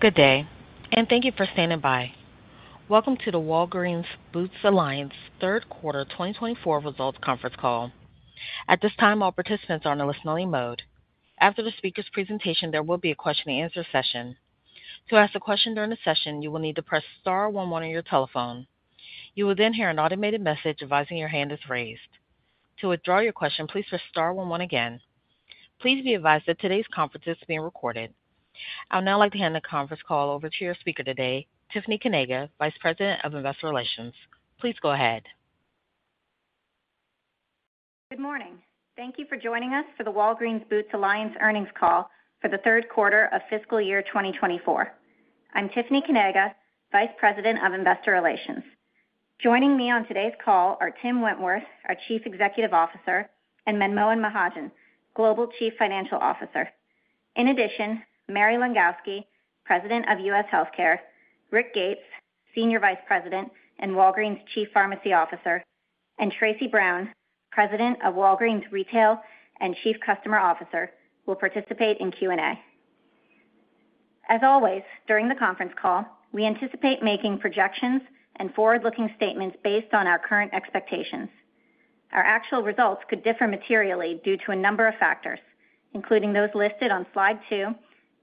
Good day, and thank you for standing by. Welcome to the Walgreens Boots Alliance third quarter 2024 results conference call. At this time, all participants are in a listening mode. After the speaker's presentation, there will be a question-and-answer session. To ask a question during the session, you will need to press star one one on your telephone. You will then hear an automated message advising your hand is raised. To withdraw your question, please press star one one again. Please be advised that today's conference is being recorded. I'd now like to hand the conference call over to your speaker today, Tiffany Kanaga, Vice President of Investor Relations. Please go ahead. Good morning. Thank you for joining us for the Walgreens Boots Alliance earnings call for the third quarter of fiscal year 2024. I'm Tiffany Kanaga, Vice President of Investor Relations. Joining me on today's call are Tim Wentworth, our Chief Executive Officer, and Manmohan Mahajan, Global Chief Financial Officer. In addition, Mary Langowski, President of U.S. Healthcare, Rick Gates, Senior Vice President and Walgreens Chief Pharmacy Officer, and Tracey Brown, President of Walgreens Retail and Chief Customer Officer, will participate in Q&A. As always, during the conference call, we anticipate making projections and forward-looking statements based on our current expectations. Our actual results could differ materially due to a number of factors, including those listed on slide 2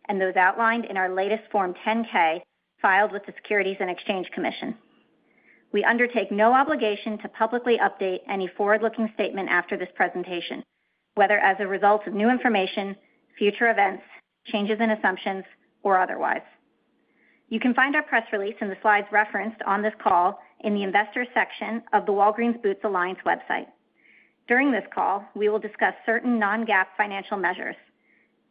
and those outlined in our latest Form 10-K, filed with the Securities and Exchange Commission. We undertake no obligation to publicly update any forward-looking statement after this presentation, whether as a result of new information, future events, changes in assumptions, or otherwise. You can find our press release and the slides referenced on this call in the Investors section of the Walgreens Boots Alliance website. During this call, we will discuss certain non-GAAP financial measures.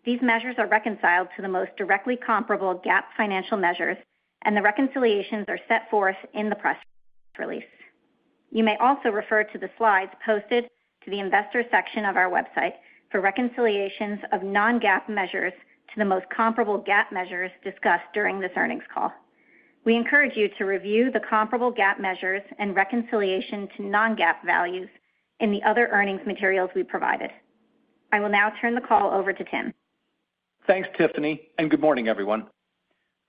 These measures are reconciled to the most directly comparable GAAP financial measures, and the reconciliations are set forth in the press release. You may also refer to the slides posted to the Investors section of our website for reconciliations of non-GAAP measures to the most comparable GAAP measures discussed during this earnings call. We encourage you to review the comparable GAAP measures and reconciliation to non-GAAP values in the other earnings materials we provided. I will now turn the call over to Tim. Thanks, Tiffany, and good morning, everyone.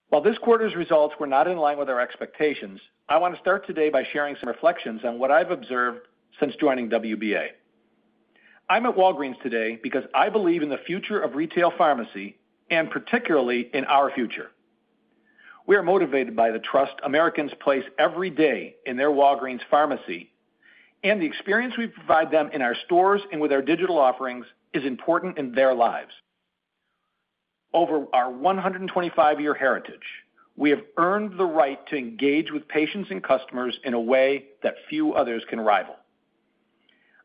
While this quarter's results were not in line with our expectations, I want to start today by sharing some reflections on what I've observed since joining WBA. I'm at Walgreens today because I believe in the future of retail pharmacy and particularly in our future. We are motivated by the trust Americans place every day in their Walgreens pharmacy, and the experience we provide them in our stores and with our digital offerings is important in their lives. Over our 125-year heritage, we have earned the right to engage with patients and customers in a way that few others can rival.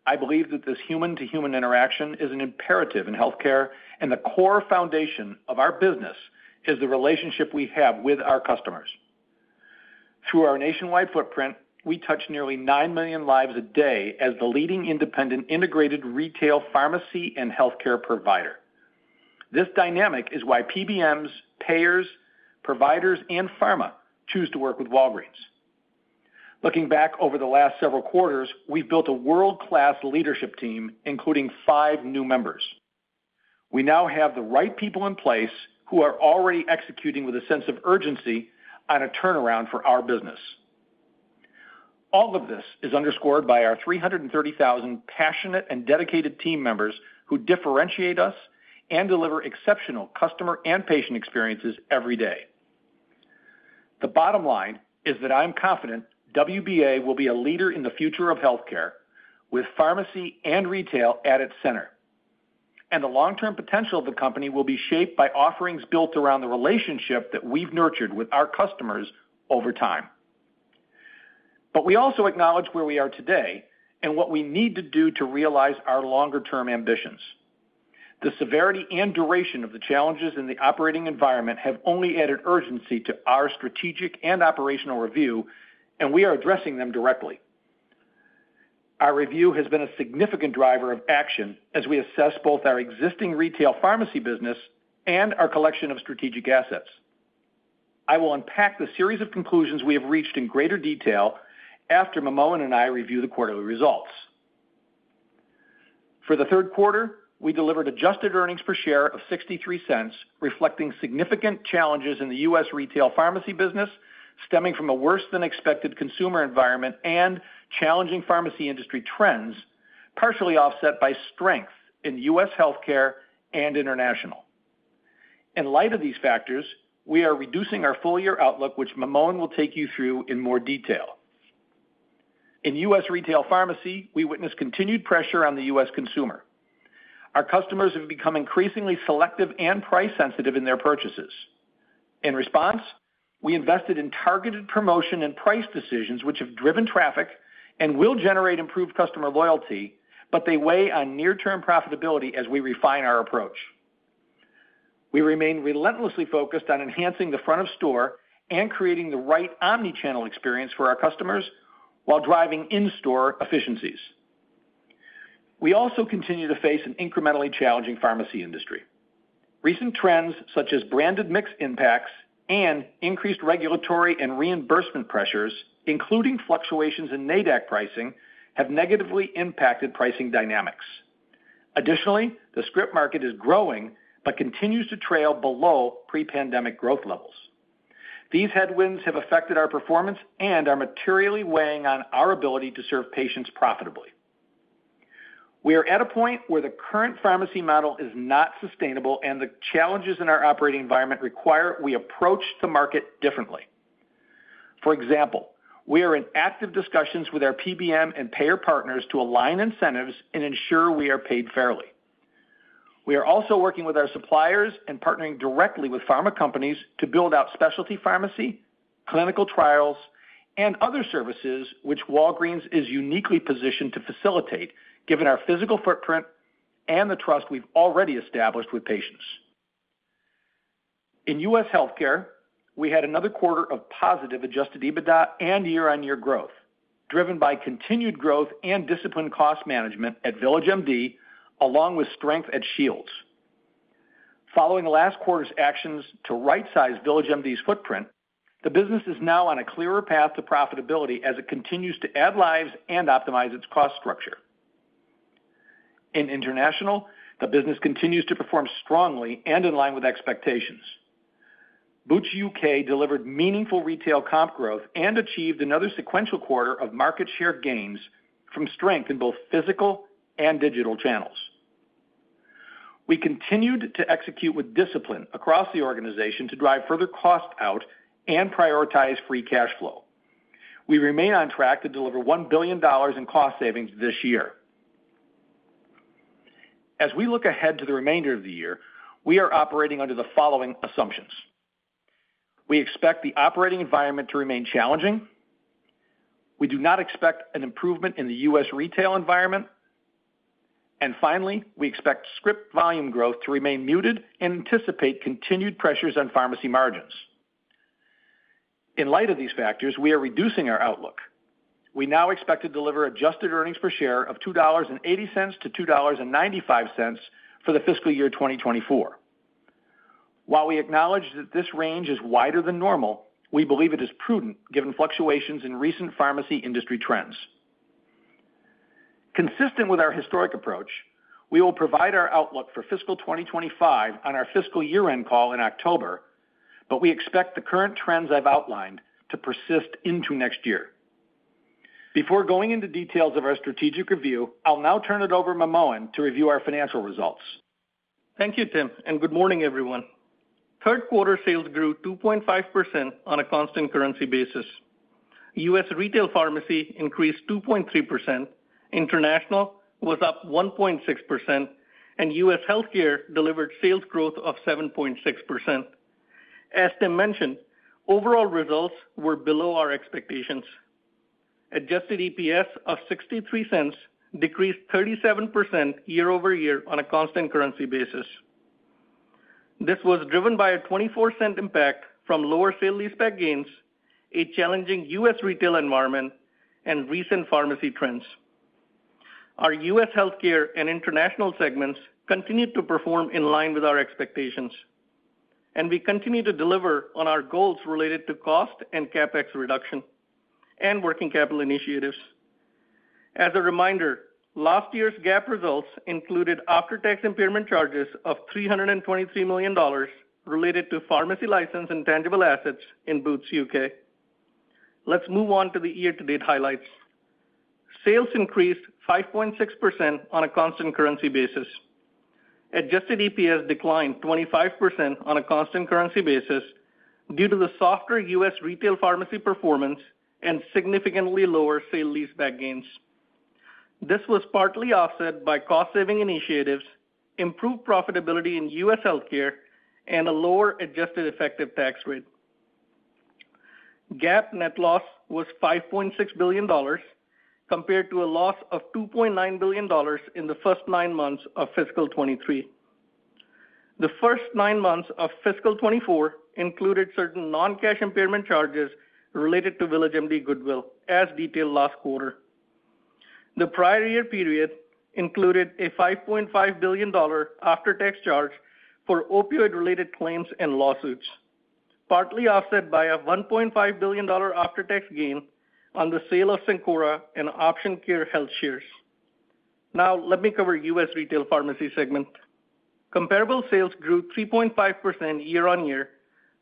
I believe that this human-to-human interaction is an imperative in healthcare, and the core foundation of our business is the relationship we have with our customers. Through our nationwide footprint, we touch nearly 9 million lives a day as the leading independent, integrated retail pharmacy and healthcare provider. This dynamic is why PBMs, payers, providers, and pharma choose to work with Walgreens. Looking back over the last several quarters, we've built a world-class leadership team, including five new members. We now have the right people in place who are already executing with a sense of urgency on a turnaround for our business. All of this is underscored by our 330,000 passionate and dedicated team members who differentiate us and deliver exceptional customer and patient experiences every day. The bottom line is that I'm confident WBA will be a leader in the future of healthcare, with pharmacy and retail at its center, and the long-term potential of the company will be shaped by offerings built around the relationship that we've nurtured with our customers over time. But we also acknowledge where we are today and what we need to do to realize our longer-term ambitions. The severity and duration of the challenges in the operating environment have only added urgency to our strategic and operational review, and we are addressing them directly. Our review has been a significant driver of action as we assess both our existing retail pharmacy business and our collection of strategic assets. I will unpack the series of conclusions we have reached in greater detail after Manmohan and I review the quarterly results. For the third quarter, we delivered adjusted earnings per share of $0.63, reflecting significant challenges in the U.S. retail pharmacy business, stemming from a worse-than-expected consumer environment and challenging pharmacy industry trends, partially offset by strength in U.S. healthcare and international. In light of these factors, we are reducing our full year outlook, which Manmohan will take you through in more detail. In U.S. retail pharmacy, we witnessed continued pressure on the U.S. consumer. Our customers have become increasingly selective and price sensitive in their purchases. In response, we invested in targeted promotion and price decisions, which have driven traffic and will generate improved customer loyalty, but they weigh on near-term profitability as we refine our approach. We remain relentlessly focused on enhancing the front of store and creating the right omnichannel experience for our customers while driving in-store efficiencies. We also continue to face an incrementally challenging pharmacy industry. Recent trends, such as branded mix impacts and increased regulatory and reimbursement pressures, including fluctuations in NASDAQ pricing, have negatively impacted pricing dynamics. Additionally, the script market is growing but continues to trail below pre-pandemic growth levels. These headwinds have affected our performance and are materially weighing on our ability to serve patients profitably. We are at a point where the current pharmacy model is not sustainable and the challenges in our operating environment require we approach the market differently. For example, we are in active discussions with our PBM and payer partners to align incentives and ensure we are paid fairly. We are also working with our suppliers and partnering directly with pharma companies to build out specialty pharmacy, clinical trials, and other services which Walgreens is uniquely positioned to facilitate, given our physical footprint and the trust we've already established with patients. In U.S. Healthcare, we had another quarter of positive Adjusted EBITDA and year-over-year growth, driven by continued growth and disciplined cost management at VillageMD, along with strength at Shields. Following last quarter's actions to rightsize VillageMD's footprint, the business is now on a clearer path to profitability as it continues to add lives and optimize its cost structure. In International, the business continues to perform strongly and in line with expectations. Boots UK delivered meaningful retail comp growth and achieved another sequential quarter of market share gains from strength in both physical and digital channels. We continued to execute with discipline across the organization to drive further cost out and prioritize free cash flow. We remain on track to deliver $1 billion in cost savings this year. As we look ahead to the remainder of the year, we are operating under the following assumptions: We expect the operating environment to remain challenging. We do not expect an improvement in the U.S. retail environment. Finally, we expect script volume growth to remain muted and anticipate continued pressures on pharmacy margins. In light of these factors, we are reducing our outlook. We now expect to deliver adjusted earnings per share of $2.80-$2.95 for the fiscal year 2024. While we acknowledge that this range is wider than normal, we believe it is prudent, given fluctuations in recent pharmacy industry trends. Consistent with our historic approach, we will provide our outlook for fiscal 2025 on our fiscal year-end call in October, but we expect the current trends I've outlined to persist into next year. Before going into details of our strategic review, I'll now turn it over to Manmohan to review our financial results. Thank you, Tim, and good morning, everyone. Third quarter sales grew 2.5% on a constant currency basis. US Retail Pharmacy increased 2.3%, International was up 1.6%, and US Healthcare delivered sales growth of 7.6%. As Tim mentioned, overall results were below our expectations. Adjusted EPS of $0.63 decreased 37% year-over-year on a constant currency basis. This was driven by a $0.24 impact from lower sale-leaseback gains, a challenging US retail environment, and recent pharmacy trends. Our US Healthcare and International segments continued to perform in line with our expectations, and we continue to deliver on our goals related to cost and CapEx reduction and working capital initiatives. As a reminder, last year's GAAP results included after-tax impairment charges of $323 million related to pharmacy license and tangible assets in Boots UK. Let's move on to the year-to-date highlights. Sales increased 5.6% on a constant currency basis. Adjusted EPS declined 25% on a constant currency basis due to the softer U.S. Retail Pharmacy performance and significantly lower sale-leaseback gains. This was partly offset by cost-saving initiatives, improved profitability in U.S. Healthcare, and a lower adjusted effective tax rate. GAAP net loss was $5.6 billion, compared to a loss of $2.9 billion in the first nine months of fiscal 2023. The first nine months of fiscal 2024 included certain non-cash impairment charges related to VillageMD goodwill, as detailed last quarter. The prior year period included a $5.5 billion after-tax charge for opioid-related claims and lawsuits, partly offset by a $1.5 billion after-tax gain on the sale of Cencora and Option Care Health shares. Now let me cover U.S. Retail Pharmacy segment. Comparable sales grew 3.5% year-over-year,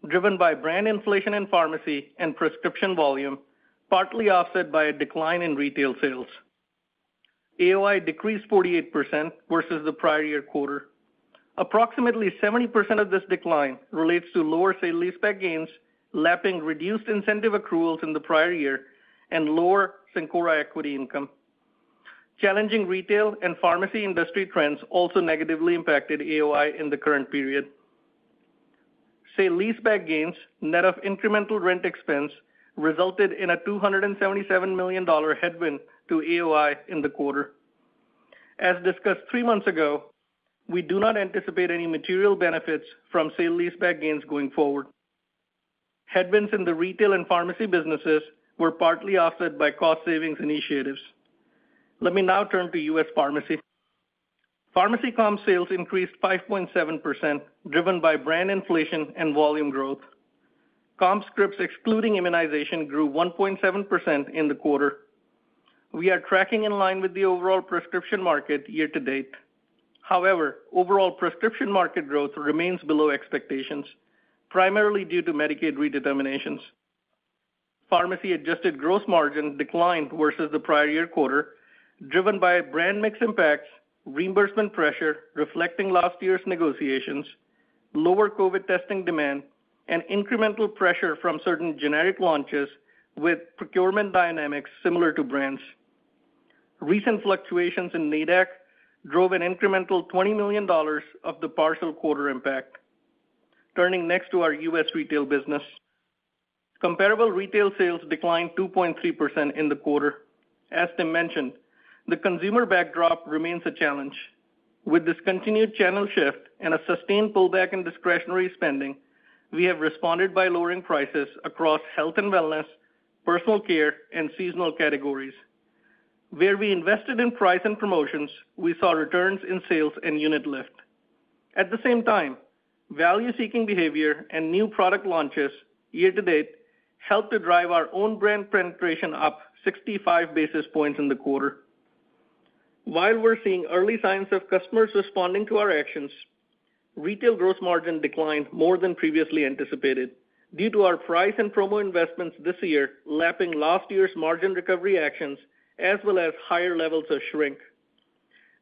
driven by brand inflation in pharmacy and prescription volume, partly offset by a decline in retail sales. AOI decreased 48% versus the prior year quarter. Approximately 70% of this decline relates to lower sale-leaseback gains, lapping reduced incentive accruals in the prior year, and lower Cencora equity income. Challenging retail and pharmacy industry trends also negatively impacted AOI in the current period. Sale-leaseback gains, net of incremental rent expense, resulted in a $277 million headwind to AOI in the quarter. As discussed three months ago, we do not anticipate any material benefits from sale-leaseback gains going forward. Headwinds in the retail and pharmacy businesses were partly offset by cost savings initiatives. Let me now turn to U.S. Pharmacy. Pharmacy comp sales increased 5.7%, driven by brand inflation and volume growth. Comp scripts, excluding immunization, grew 1.7% in the quarter. We are tracking in line with the overall prescription market year-to-date. However, overall prescription market growth remains below expectations, primarily due to Medicaid redeterminations. Pharmacy-adjusted gross margin declined versus the prior year quarter, driven by brand mix impacts, reimbursement pressure, reflecting last year's negotiations, lower COVID testing demand, and incremental pressure from certain generic launches with procurement dynamics similar to brands. Recent fluctuations in NASDAQ drove an incremental $20 million of the partial quarter impact. Turning next to our U.S. retail business. Comparable retail sales declined 2.3% in the quarter. As Tim mentioned, the consumer backdrop remains a challenge. With this continued channel shift and a sustained pullback in discretionary spending, we have responded by lowering prices across health and wellness, personal care, and seasonal categories. Where we invested in price and promotions, we saw returns in sales and unit lift. At the same time, value-seeking behavior and new product launches year-to-date, helped to drive our own brand penetration up 65 basis points in the quarter. While we're seeing early signs of customers responding to our actions, retail growth margin declined more than previously anticipated due to our price and promo investments this year, lapping last year's margin recovery actions, as well as higher levels of shrink.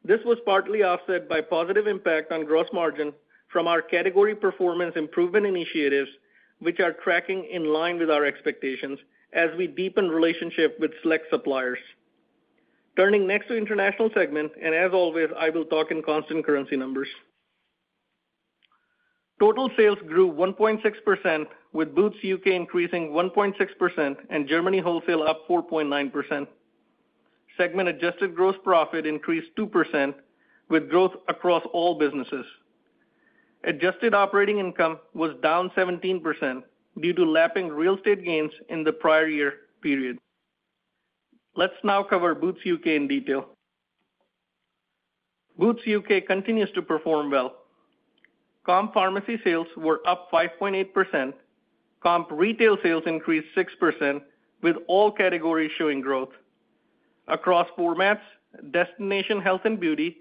This was partly offset by positive impact on gross margin from our category performance improvement initiatives, which are tracking in line with our expectations as we deepen relationship with select suppliers. Turning next to international segment, and as always, I will talk in constant currency numbers. Total sales grew 1.6%, with Boots UK increasing 1.6% and Germany wholesale up 4.9%. Segment-adjusted gross profit increased 2%, with growth across all businesses. Adjusted operating income was down 17% due to lapping real estate gains in the prior year period. Let's now cover Boots UK in detail. Boots UK continues to perform well. Comp pharmacy sales were up 5.8%. Comp retail sales increased 6%, with all categories showing growth. Across formats, destination, health and beauty,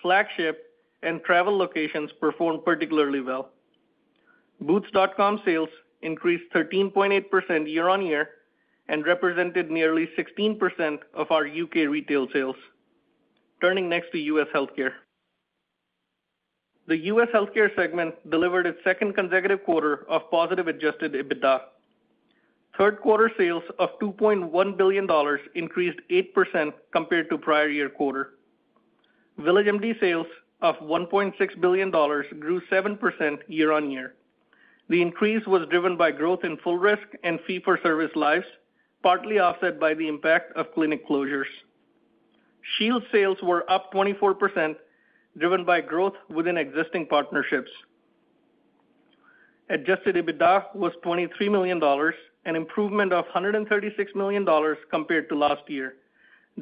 flagship, and travel locations performed particularly well. Boots.com sales increased 13.8% year-on-year and represented nearly 16% of our UK retail sales. Turning next to U.S. Healthcare. The U.S. healthcare segment delivered its second consecutive quarter of positive Adjusted EBITDA. Third quarter sales of $2.1 billion increased 8% compared to prior-year quarter. VillageMD sales of $1.6 billion grew 7% year-on-year. The increase was driven by growth in full risk and fee-for-service lives, partly offset by the impact of clinic closures. Shields sales were up 24%, driven by growth within existing partnerships. Adjusted EBITDA was $23 million, an improvement of $136 million compared to last year,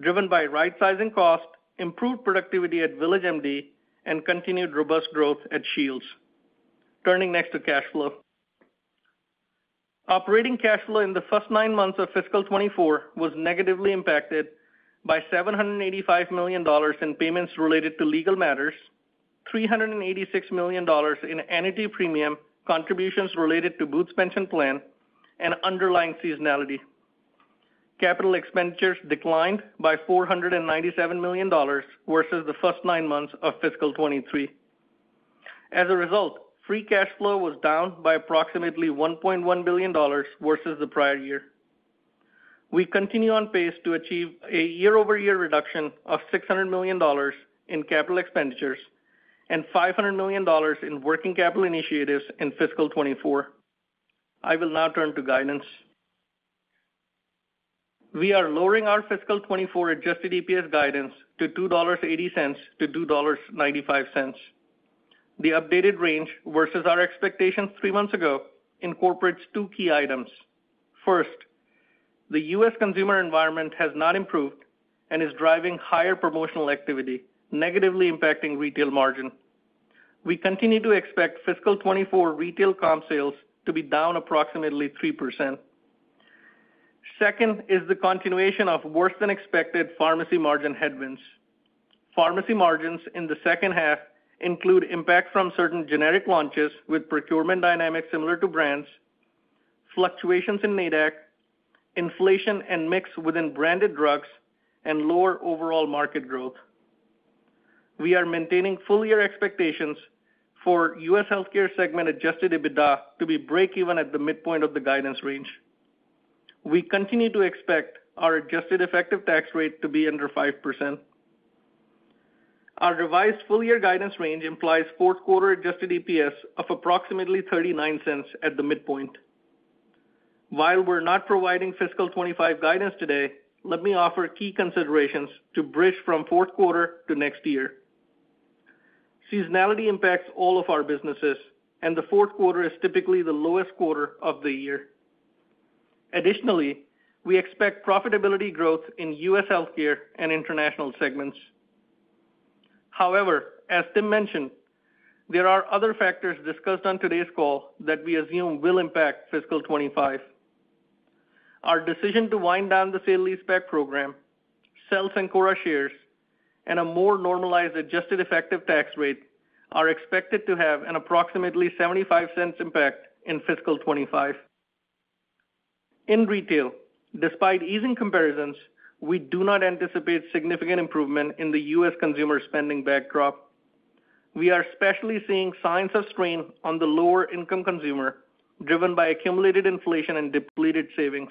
driven by right-sizing cost, improved productivity at VillageMD, and continued robust growth at Shields. Turning next to cash flow. Operating cash flow in the first nine months of fiscal 2024 was negatively impacted by $785 million in payments related to legal matters, $386 million in annuity premium, contributions related to Boots pension plan, and underlying seasonality. Capital expenditures declined by $497 million versus the first nine months of fiscal 2023. As a result, free cash flow was down by approximately $1.1 billion versus the prior year. We continue on pace to achieve a year-over-year reduction of $600 million in capital expenditures and $500 million in working capital initiatives in fiscal 2024. I will now turn to guidance. We are lowering our fiscal 2024 adjusted EPS guidance to $2.80-$2.95. The updated range versus our expectations three months ago incorporates two key items. First, the U.S. consumer environment has not improved and is driving higher promotional activity, negatively impacting retail margin. We continue to expect fiscal 2024 retail comp sales to be down approximately 3%. Second is the continuation of worse-than-expected pharmacy margin headwinds. Pharmacy margins in the second half include impact from certain generic launches with procurement dynamics similar to brands, fluctuations in NASDAQ, inflation and mix within branded drugs, and lower overall market growth. We are maintaining full-year expectations for U.S. healthcare segment adjusted EBITDA to be break-even at the midpoint of the guidance range. We continue to expect our adjusted effective tax rate to be under 5%. Our revised full-year guidance range implies fourth quarter-adjusted EPS of approximately $0.39 at the midpoint. While we're not providing fiscal 2025 guidance today, let me offer key considerations to bridge from fourth quarter to next year. Seasonality impacts all of our businesses, and the fourth quarter is typically the lowest quarter of the year. Additionally, we expect profitability growth in U.S. healthcare and international segments. However, as Tim mentioned, there are other factors discussed on today's call that we assume will impact fiscal 2025. Our decision to wind down the sale-leaseback program, sell Cencora shares, and a more normalized adjusted effective tax rate are expected to have an approximately $0.75 impact in fiscal 2025. In retail, despite easing comparisons, we do not anticipate significant improvement in the U.S. consumer spending backdrop. We are especially seeing signs of strain on the lower-income consumer, driven by accumulated inflation and depleted savings.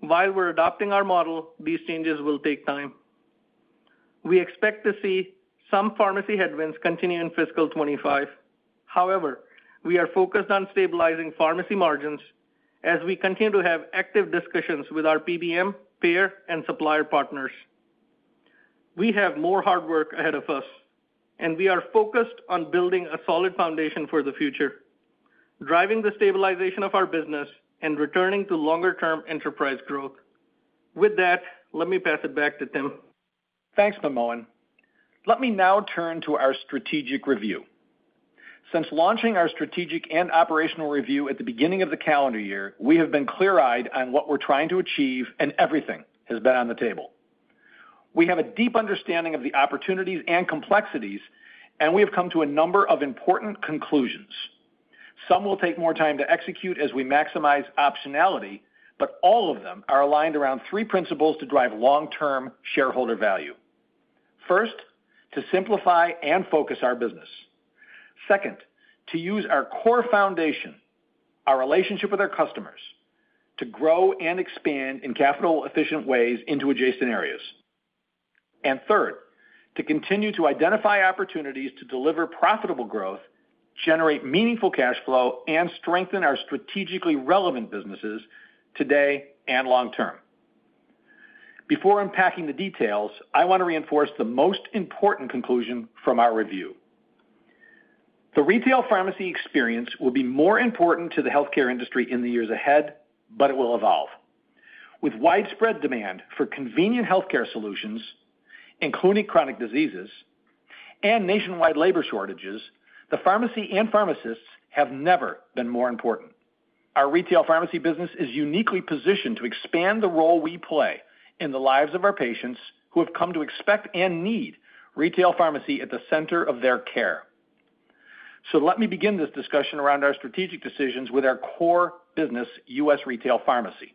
While we're adopting our model, these changes will take time. We expect to see some pharmacy headwinds continue in fiscal 2025. However, we are focused on stabilizing pharmacy margins as we continue to have active discussions with our PBM, payer, and supplier partners. We have more hard work ahead of us, and we are focused on building a solid foundation for the future, driving the stabilization of our business, and returning to longer-term enterprise growth. With that, let me pass it back to Tim. Thanks, Manmohan. Let me now turn to our strategic review. Since launching our strategic and operational review at the beginning of the calendar year, we have been clear-eyed on what we're trying to achieve, and everything has been on the table. We have a deep understanding of the opportunities and complexities, and we have come to a number of important conclusions. Some will take more time to execute as we maximize optionality, but all of them are aligned around three principles to drive long-term shareholder value. First, to simplify and focus our business. Second, to use our core foundation, our relationship with our customers, to grow and expand in capital-efficient ways into adjacent areas. And third, to continue to identify opportunities to deliver profitable growth, generate meaningful cash flow, and strengthen our strategically relevant businesses today and long term. Before unpacking the details, I want to reinforce the most important conclusion from our review. The retail pharmacy experience will be more important to the healthcare industry in the years ahead, but it will evolve. With widespread demand for convenient healthcare solutions, including chronic diseases and nationwide labor shortages, the pharmacy and pharmacists have never been more important. Our retail pharmacy business is uniquely positioned to expand the role we play in the lives of our patients, who have come to expect and need retail pharmacy at the center of their care. So let me begin this discussion around our strategic decisions with our core business, U.S. retail pharmacy.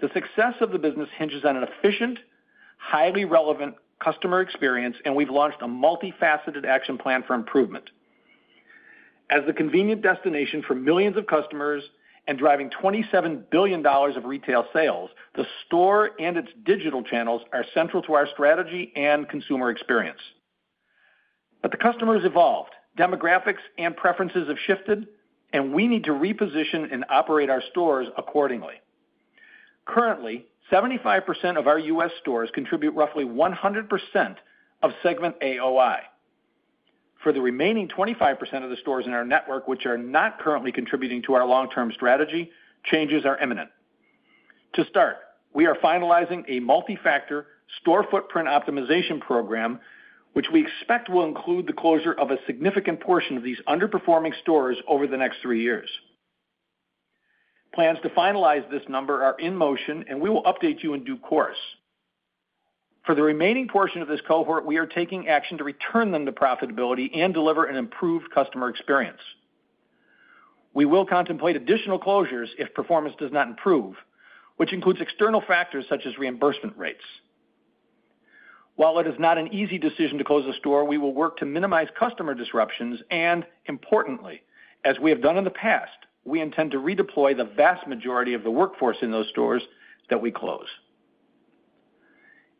The success of the business hinges on an efficient, highly relevant customer experience, and we've launched a multifaceted action plan for improvement. As the convenient destination for millions of customers and driving $27 billion of retail sales, the store and its digital channels are central to our strategy and consumer experience. But the customer's evolved, demographics and preferences have shifted, and we need to reposition and operate our stores accordingly. Currently, 75% of our U.S. stores contribute roughly 100% of segment AOI. For the remaining 25% of the stores in our network, which are not currently contributing to our long-term strategy, changes are imminent. To start, we are finalizing a multi-factor store footprint optimization program, which we expect will include the closure of a significant portion of these underperforming stores over the next three years. Plans to finalize this number are in motion, and we will update you in due course. For the remaining portion of this cohort, we are taking action to return them to profitability and deliver an improved customer experience. We will contemplate additional closures if performance does not improve, which includes external factors such as reimbursement rates. While it is not an easy decision to close a store, we will work to minimize customer disruptions, and importantly, as we have done in the past, we intend to redeploy the vast majority of the workforce in those stores that we close.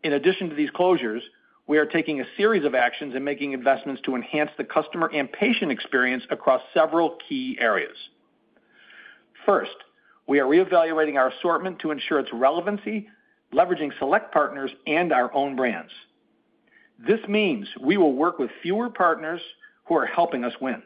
In addition to these closures, we are taking a series of actions and making investments to enhance the customer and patient experience across several key areas. First, we are reevaluating our assortment to ensure its relevancy, leveraging select partners and our own brands. This means we will work with fewer partners who are helping us win.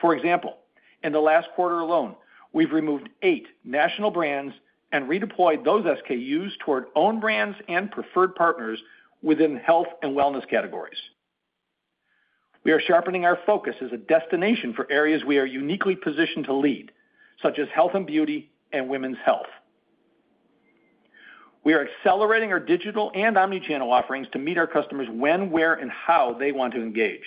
For example, in the last quarter alone, we've removed 8 national brands and redeployed those SKUs toward own brands and preferred partners within health and wellness categories. We are sharpening our focus as a destination for areas we are uniquely positioned to lead, such as health and beauty and women's health. We are accelerating our digital and omnichannel offerings to meet our customers when, where, and how they want to engage.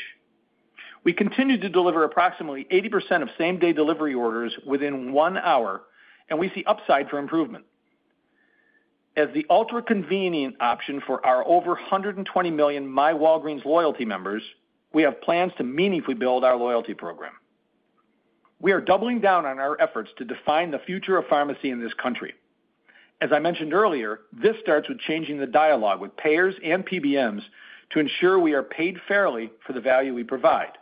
We continue to deliver approximately 80% of same-day delivery orders within one hour, and we see upside for improvement. As the ultra-convenient option for our over 120 million myWalgreens loyalty members, we have plans to meaningfully build our loyalty program. We are doubling down on our efforts to define the future of pharmacy in this country. As I mentioned earlier, this starts with changing the dialogue with payers and PBMs to ensure we are paid fairly for the value we provide.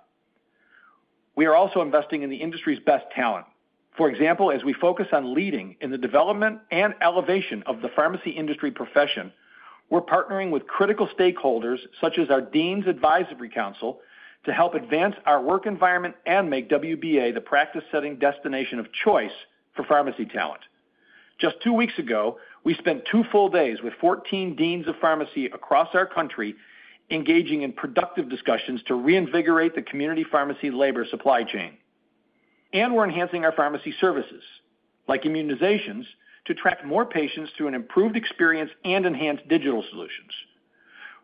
We are also investing in the industry's best talent. For example, as we focus on leading in the development and elevation of the pharmacy industry profession, we're partnering with critical stakeholders, such as our Deans Advisory Council, to help advance our work environment and make WBA the practice-setting destination of choice for pharmacy talent. Just 2 weeks ago, we spent 2 full days with 14 deans of pharmacy across our country, engaging in productive discussions to reinvigorate the community pharmacy labor supply chain. And we're enhancing our pharmacy services, like immunizations, to attract more patients to an improved experience and enhanced digital solutions.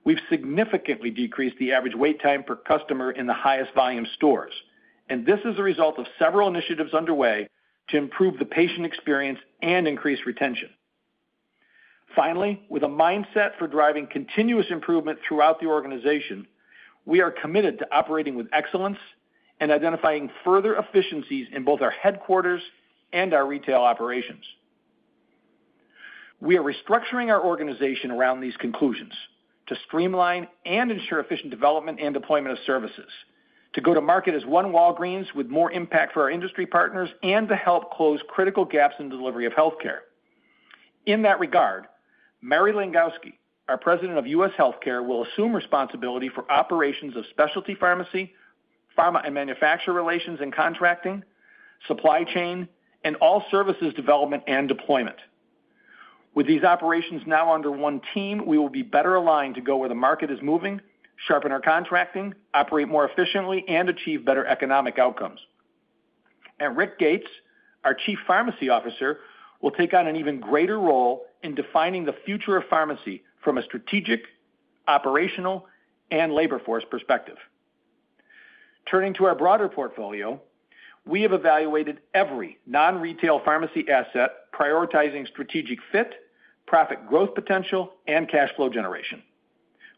We've significantly decreased the average wait time per customer in the highest volume stores, and this is a result of several initiatives underway to improve the patient experience and increase retention. Finally, with a mindset for driving continuous improvement throughout the organization, we are committed to operating with excellence and identifying further efficiencies in both our headquarters and our retail operations. We are restructuring our organization around these conclusions to streamline and ensure efficient development and deployment of services, to go to market as one Walgreens with more impact for our industry partners and to help close critical gaps in delivery of healthcare. In that regard, Mary Langowski, our President of U.S. Healthcare, will assume responsibility for operations of specialty pharmacy, pharma and manufacturer relations and contracting, supply chain, and all services development and deployment. With these operations now under one team, we will be better aligned to go where the market is moving, sharpen our contracting, operate more efficiently, and achieve better economic outcomes. Rick Gates, our Chief Pharmacy Officer, will take on an even greater role in defining the future of pharmacy from a strategic, operational, and labor force perspective. Turning to our broader portfolio, we have evaluated every non-retail pharmacy asset, prioritizing strategic fit, profit growth potential, and cash flow generation.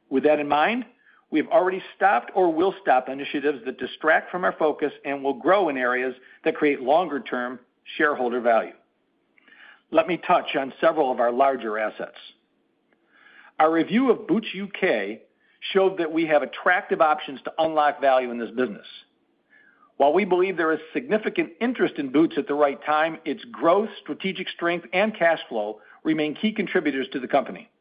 With that in mind, we have already stopped or will stop initiatives that distract from our focus and will grow in areas that create longer-term shareholder value. Let me touch on several of our larger assets. Our review of Boots UK showed that we have attractive options to unlock value in this business. While we believe there is significant interest in Boots at the right time, its growth, strategic strength, and cash flow remain key contributors to the company.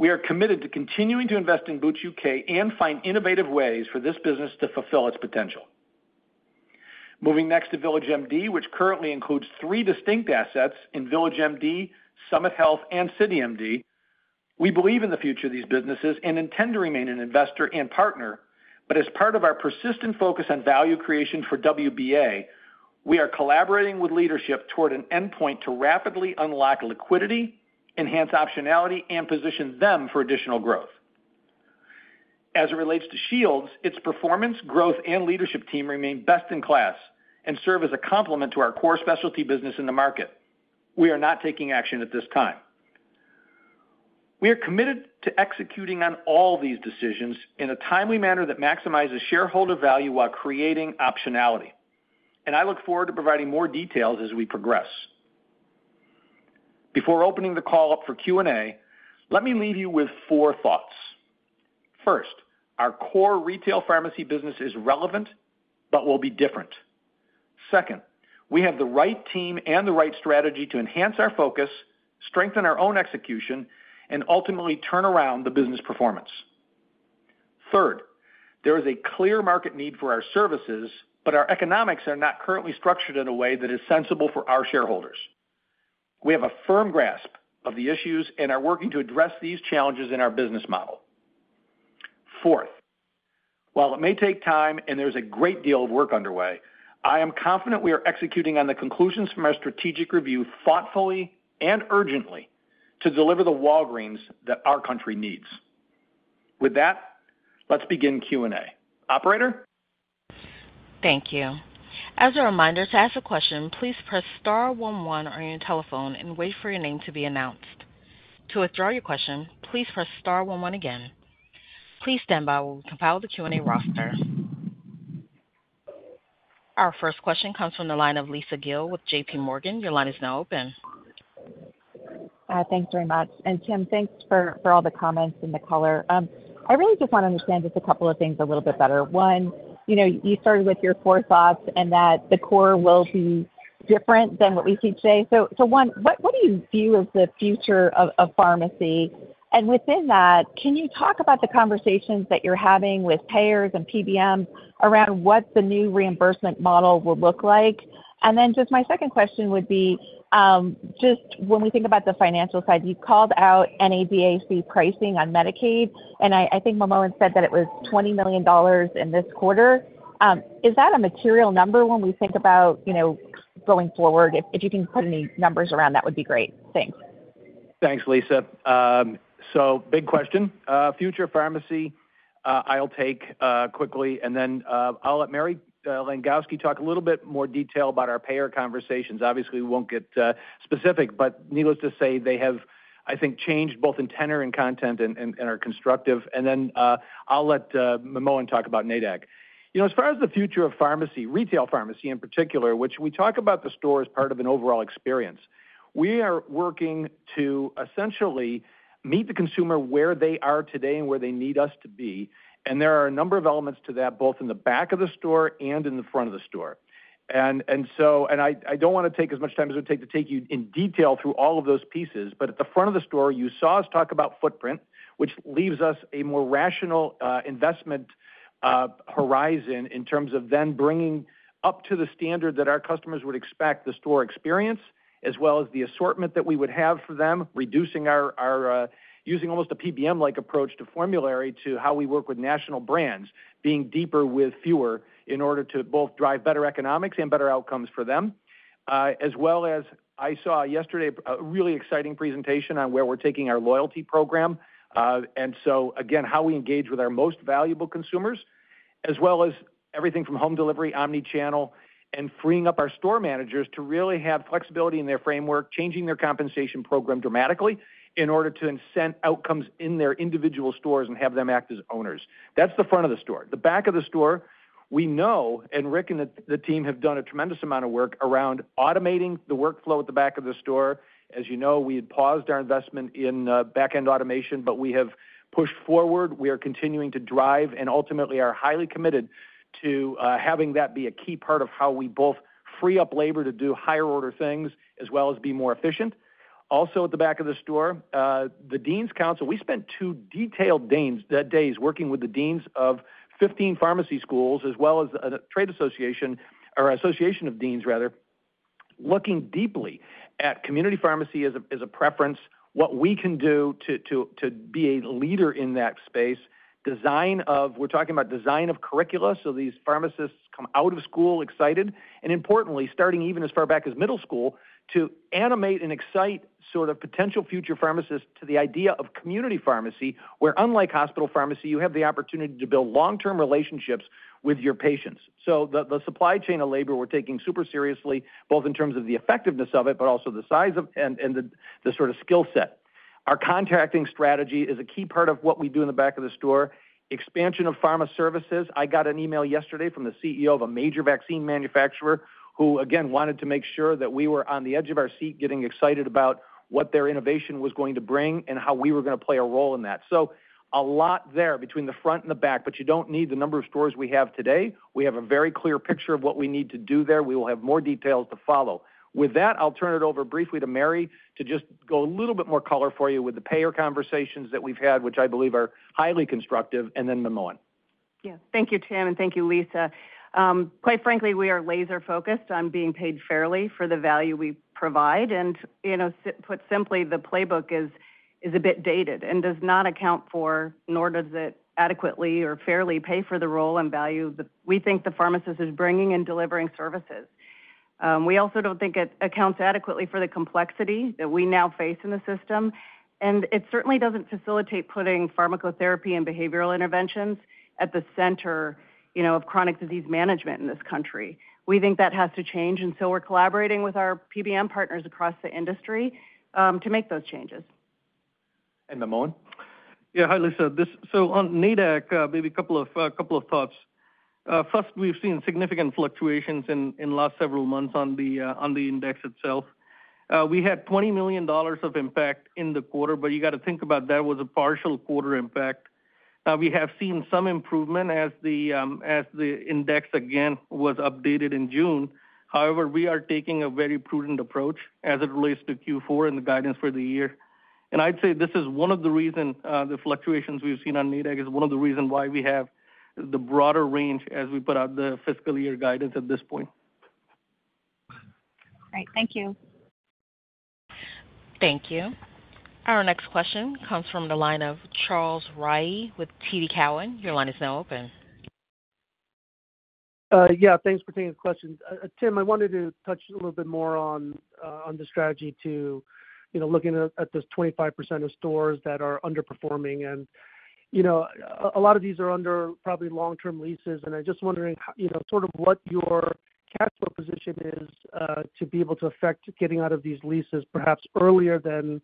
We are committed to continuing to invest in Boots UK and find innovative ways for this business to fulfill its potential. Moving next to VillageMD, which currently includes three distinct assets in VillageMD, Summit Health, and CityMD. We believe in the future of these businesses and intend to remain an investor and partner. But as part of our persistent focus on value creation for WBA, we are collaborating with leadership toward an endpoint to rapidly unlock liquidity, enhance optionality, and position them for additional growth. As it relates to Shields, its performance, growth, and leadership team remain best in class and serve as a complement to our core specialty business in the market. We are not taking action at this time. We are committed to executing on all these decisions in a timely manner that maximizes shareholder value while creating optionality, and I look forward to providing more details as we progress. Before opening the call up for Q&A, let me leave you with four thoughts. First, our core retail pharmacy business is relevant but will be different. Second, we have the right team and the right strategy to enhance our focus, strengthen our own execution, and ultimately turn around the business performance. Third, there is a clear market need for our services, but our economics are not currently structured in a way that is sensible for our shareholders. We have a firm grasp of the issues and are working to address these challenges in our business model. Fourth, while it may take time and there's a great deal of work underway, I am confident we are executing on the conclusions from our strategic review thoughtfully and urgently to deliver the Walgreens that our country needs. With that, let's begin Q&A. Operator? Thank you. As a reminder, to ask a question, please press star one one on your telephone and wait for your name to be announced. To withdraw your question, please press star one one again. Please stand by while we compile the Q&A roster. Our first question comes from the line of Lisa Gill with J.P. Morgan. Your line is now open. Thanks very much. And Tim, thanks for all the comments and the color. I really just want to understand just a couple of things a little bit better. One, you know, you started with your four thoughts and that the core will be different than what we see today. So, one, what do you view as the future of pharmacy? And within that, can you talk about the conversations that you're having with payers and PBM around what the new reimbursement model will look like? And then just my second question would be, just when we think about the financial side, you called out NADAC pricing on Medicaid, and I think Manmohan said that it was $20 million in this quarter. Is that a material number when we think about, you know, going forward? If you can put any numbers around, that would be great. Thanks. Thanks, Lisa. So big question, future pharmacy, I'll take quickly, and then I'll let Mary Langowski talk a little bit more detail about our payer conversations. Obviously, we won't get specific, but needless to say, they have, I think, changed both in tenor and content and are constructive. And then I'll let Manmohan talk about NADAC. You know, as far as the future of pharmacy, retail pharmacy in particular, which we talk about the store as part of an overall experience, we are working to essentially meet the consumer where they are today and where they need us to be. And there are a number of elements to that, both in the back of the store and in the front of the store. So I don't want to take as much time as it would take to take you in detail through all of those pieces. But at the front of the store, you saw us talk about footprint, which leaves us a more rational investment horizon in terms of then bringing up to the standard that our customers would expect the store experience, as well as the assortment that we would have for them, reducing our using almost a PBM-like approach to formulary, to how we work with national brands, being deeper with fewer in order to both drive better economics and better outcomes for them. As well as I saw yesterday, a really exciting presentation on where we're taking our loyalty program. And so again, how we engage with our most valuable consumers, as well as-... everything from home delivery, omnichannel, and freeing up our store managers to really have flexibility in their framework, changing their compensation program dramatically in order to incent outcomes in their individual stores and have them act as owners. That's the front of the store. The back of the store, we know, and Rick and the team have done a tremendous amount of work around automating the workflow at the back of the store. As you know, we had paused our investment in back-end automation, but we have pushed forward. We are continuing to drive and ultimately are highly committed to having that be a key part of how we both free up labor to do higher order things as well as be more efficient. Also, at the back of the store, the Dean's Council, we spent two detailed deans-days working with the deans of 15 pharmacy schools, as well as the trade association, or association of deans, rather, looking deeply at community pharmacy as a preference, what we can do to be a leader in that space, design of curricula, so these pharmacists come out of school excited. And importantly, starting even as far back as middle school, to animate and excite potential future pharmacists to the idea of community pharmacy, where unlike hospital pharmacy, you have the opportunity to build long-term relationships with your patients. So the supply chain of labor, we're taking super seriously, both in terms of the effectiveness of it, but also the size of and the sort of skill set. Our contracting strategy is a key part of what we do in the back of the store. Expansion of pharma services. I got an email yesterday from the CEO of a major vaccine manufacturer who, again, wanted to make sure that we were on the edge of our seat, getting excited about what their innovation was going to bring and how we were gonna play a role in that. So a lot there between the front and the back, but you don't need the number of stores we have today. We have a very clear picture of what we need to do there. We will have more details to follow. With that, I'll turn it over briefly to Mary, to just go a little bit more color for you with the payer conversations that we've had, which I believe are highly constructive, and then Manmohan. Yeah. Thank you, Tim, and thank you, Lisa. Quite frankly, we are laser-focused on being paid fairly for the value we provide. And, you know, put simply, the playbook is a bit dated and does not account for, nor does it adequately or fairly pay for the role and value that we think the pharmacist is bringing in delivering services. We also don't think it accounts adequately for the complexity that we now face in the system, and it certainly doesn't facilitate putting pharmacotherapy and behavioral interventions at the center, you know, of chronic disease management in this country. We think that has to change, and so we're collaborating with our PBM partners across the industry to make those changes. And Manmohan? Yeah, hi, Lisa. This - so on NADAC, maybe a couple of thoughts. First, we've seen significant fluctuations in the last several months on the index itself. We had $20 million of impact in the quarter, but you got to think about that was a partial quarter impact. We have seen some improvement as the index again was updated in June. However, we are taking a very prudent approach as it relates to Q4 and the guidance for the year. And I'd say this is one of the reason the fluctuations we've seen on NADAC is one of the reason why we have the broader range as we put out the fiscal year guidance at this point. Great. Thank you. Thank you. Our next question comes from the line of Charles Rhyee with TD Cowen. Your line is now open. Yeah, thanks for taking the question. Tim, I wanted to touch a little bit more on the strategy to, you know, looking at this 25% of stores that are underperforming. And, you know, a lot of these are under probably long-term leases, and I'm just wondering, you know, sort of what your capital position is to be able to affect getting out of these leases, perhaps earlier than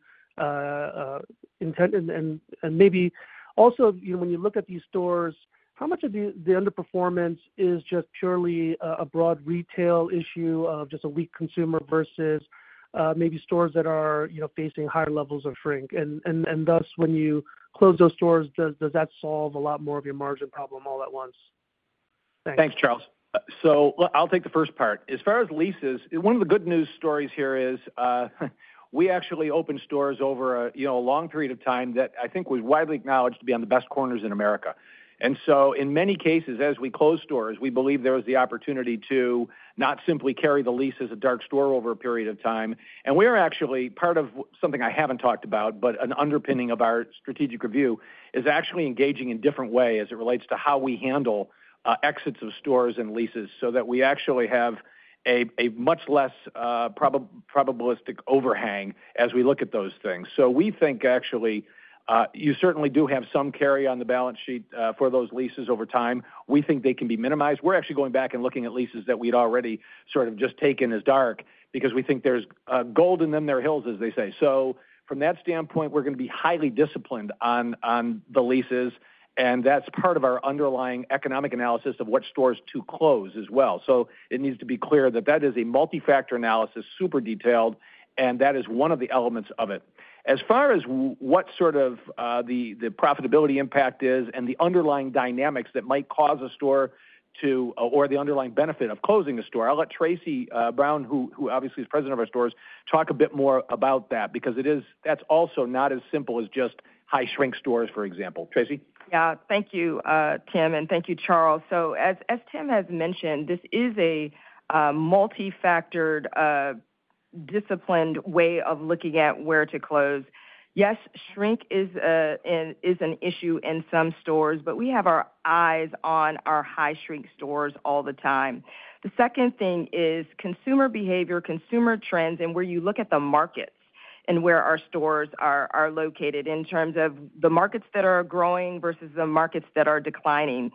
intended. And maybe also, you know, when you look at these stores, how much of the underperformance is just purely a broad retail issue of just a weak consumer versus maybe stores that are, you know, facing higher levels of shrink? And thus, when you close those stores, does that solve a lot more of your margin problem all at once? Thanks. Thanks, Charles. So I'll take the first part. As far as leases, one of the good news stories here is, we actually opened stores over a, you know, a long period of time that I think was widely acknowledged to be on the best corners in America. And so in many cases, as we close stores, we believe there is the opportunity to not simply carry the leases as a dark store over a period of time. And we are actually, part of something I haven't talked about, but an underpinning of our strategic review, is actually engaging in a different way as it relates to how we handle, exits of stores and leases, so that we actually have a much less, probabilistic overhang as we look at those things. So we think, actually, you certainly do have some carry on the balance sheet, for those leases over time. We think they can be minimized. We're actually going back and looking at leases that we'd already sort of just taken as dark because we think there's, gold in them thar hills, as they say. So from that standpoint, we're gonna be highly disciplined on, on the leases, and that's part of our underlying economic analysis of what stores to close as well. So it needs to be clear that that is a multifactor analysis, super detailed, and that is one of the elements of it. As far as what sort of profitability impact is and the underlying dynamics that might cause a store to, or the underlying benefit of closing a store, I'll let Tracey Brown, who obviously is President of our stores, talk a bit more about that, because it is, that's also not as simple as just high shrink stores, for example. Tracey? Yeah. Thank you, Tim, and thank you, Charles. So as Tim has mentioned, this is a multifactored, disciplined way of looking at where to close. Yes, shrink is an issue in some stores, but we have our eyes on our high shrink stores all the time. The second thing is consumer behavior, consumer trends, and where you look at the markets. ... and where our stores are, are located in terms of the markets that are growing versus the markets that are declining.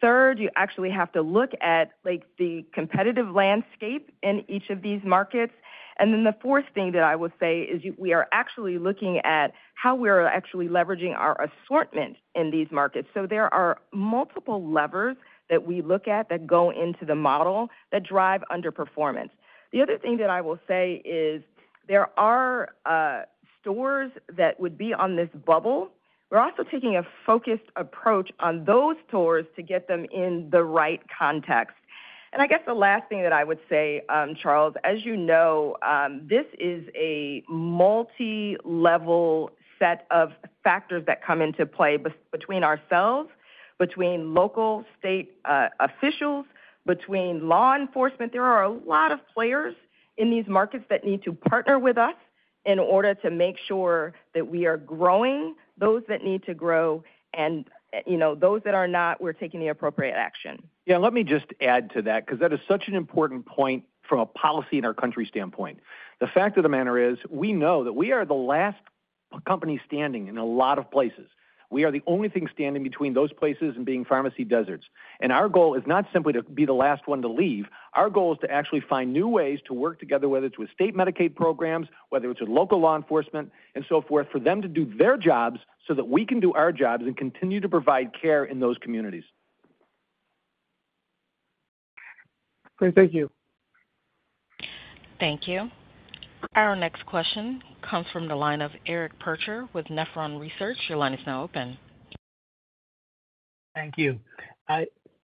Third, you actually have to look at, like, the competitive landscape in each of these markets. And then the fourth thing that I would say is you—we are actually looking at how we're actually leveraging our assortment in these markets. So there are multiple levers that we look at that go into the model that drive underperformance. The other thing that I will say is there are stores that would be on this bubble. We're also taking a focused approach on those stores to get them in the right context. I guess the last thing that I would say, Charles, as you know, this is a multilevel set of factors that come into play between ourselves, between local, state officials, between law enforcement. There are a lot of players in these markets that need to partner with us in order to make sure that we are growing those that need to grow, and, you know, those that are not, we're taking the appropriate action. Yeah, let me just add to that, because that is such an important point from a policy in our country standpoint. The fact of the matter is, we know that we are the last company standing in a lot of places. We are the only thing standing between those places and being pharmacy deserts. And our goal is not simply to be the last one to leave. Our goal is to actually find new ways to work together, whether it's with state Medicaid programs, whether it's with local law enforcement and so forth, for them to do their jobs so that we can do our jobs and continue to provide care in those communities. Great. Thank you. Thank you. Our next question comes from the line of Eric Percher with Nephron Research. Your line is now open. Thank you.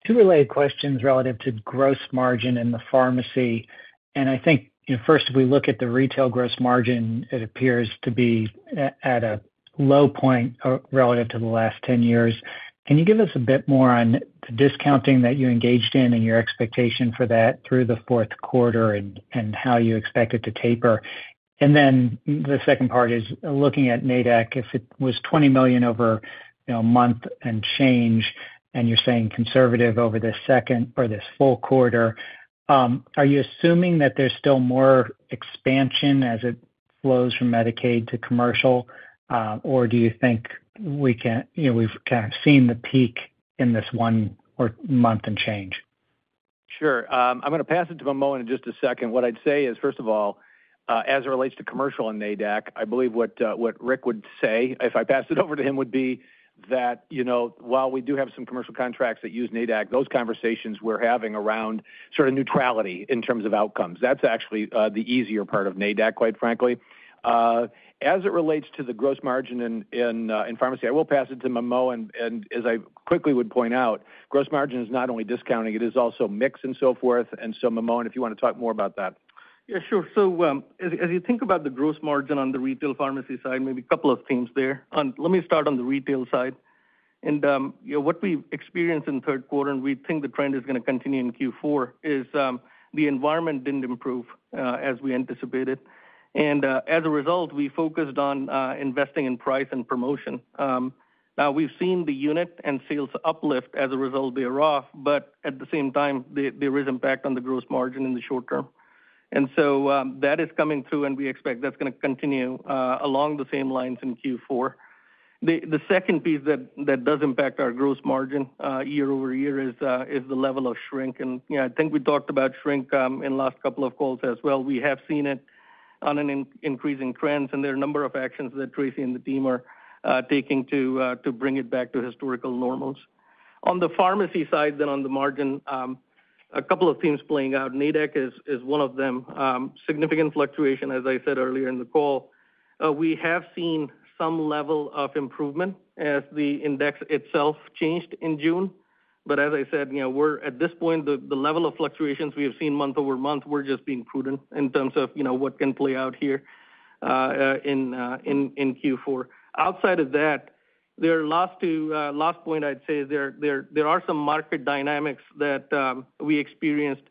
Two related questions relative to gross margin in the pharmacy, and I think, first, if we look at the retail gross margin, it appears to be at a low point relative to the last 10 years. Can you give us a bit more on the discounting that you engaged in and your expectation for that through the fourth quarter and how you expect it to taper? And then the second part is, looking at NADAC, if it was $20 million over, you know, a month and change, and you're saying conservative over this second or this full quarter, are you assuming that there's still more expansion as it flows from Medicaid to commercial? Or do you think we can... You know, we've kind of seen the peak in this one or month and change? Sure. I'm going to pass it to Momo in just a second. What I'd say is, first of all, as it relates to commercial and NADAC, I believe what Rick would say, if I pass it over to him, would be that, you know, while we do have some commercial contracts that use NADAC, those conversations we're having around sort of neutrality in terms of outcomes. That's actually the easier part of NADAC, quite frankly. As it relates to the gross margin in pharmacy, I will pass it to Momo, and as I quickly would point out, gross margin is not only discounting, it is also mix and so forth. And so, Momo, if you want to talk more about that. Yeah, sure. So, as you think about the gross margin on the retail pharmacy side, maybe a couple of things there. Let me start on the retail side. And, you know, what we've experienced in the third quarter, and we think the trend is going to continue in Q4, is, the environment didn't improve, as we anticipated. And, as a result, we focused on, investing in price and promotion. Now, we've seen the unit and sales uplift as a result of the promo, but at the same time, there is impact on the gross margin in the short term. And so, that is coming through, and we expect that's going to continue, along the same lines in Q4. The second piece that does impact our gross margin, year over year is the level of shrink. And, you know, I think we talked about shrink in last couple of calls as well. We have seen it on an increasing trends, and there are a number of actions that Tracey and the team are taking to bring it back to historical normals. On the pharmacy side, then on the margin, a couple of things playing out. NADAC is one of them. Significant fluctuation, as I said earlier in the call. We have seen some level of improvement as the index itself changed in June. But as I said, you know, we're at this point, the level of fluctuations we have seen month-over-month, we're just being prudent in terms of, you know, what can play out here in Q4. Outside of that, the last two points I'd say, there are some market dynamics that we experienced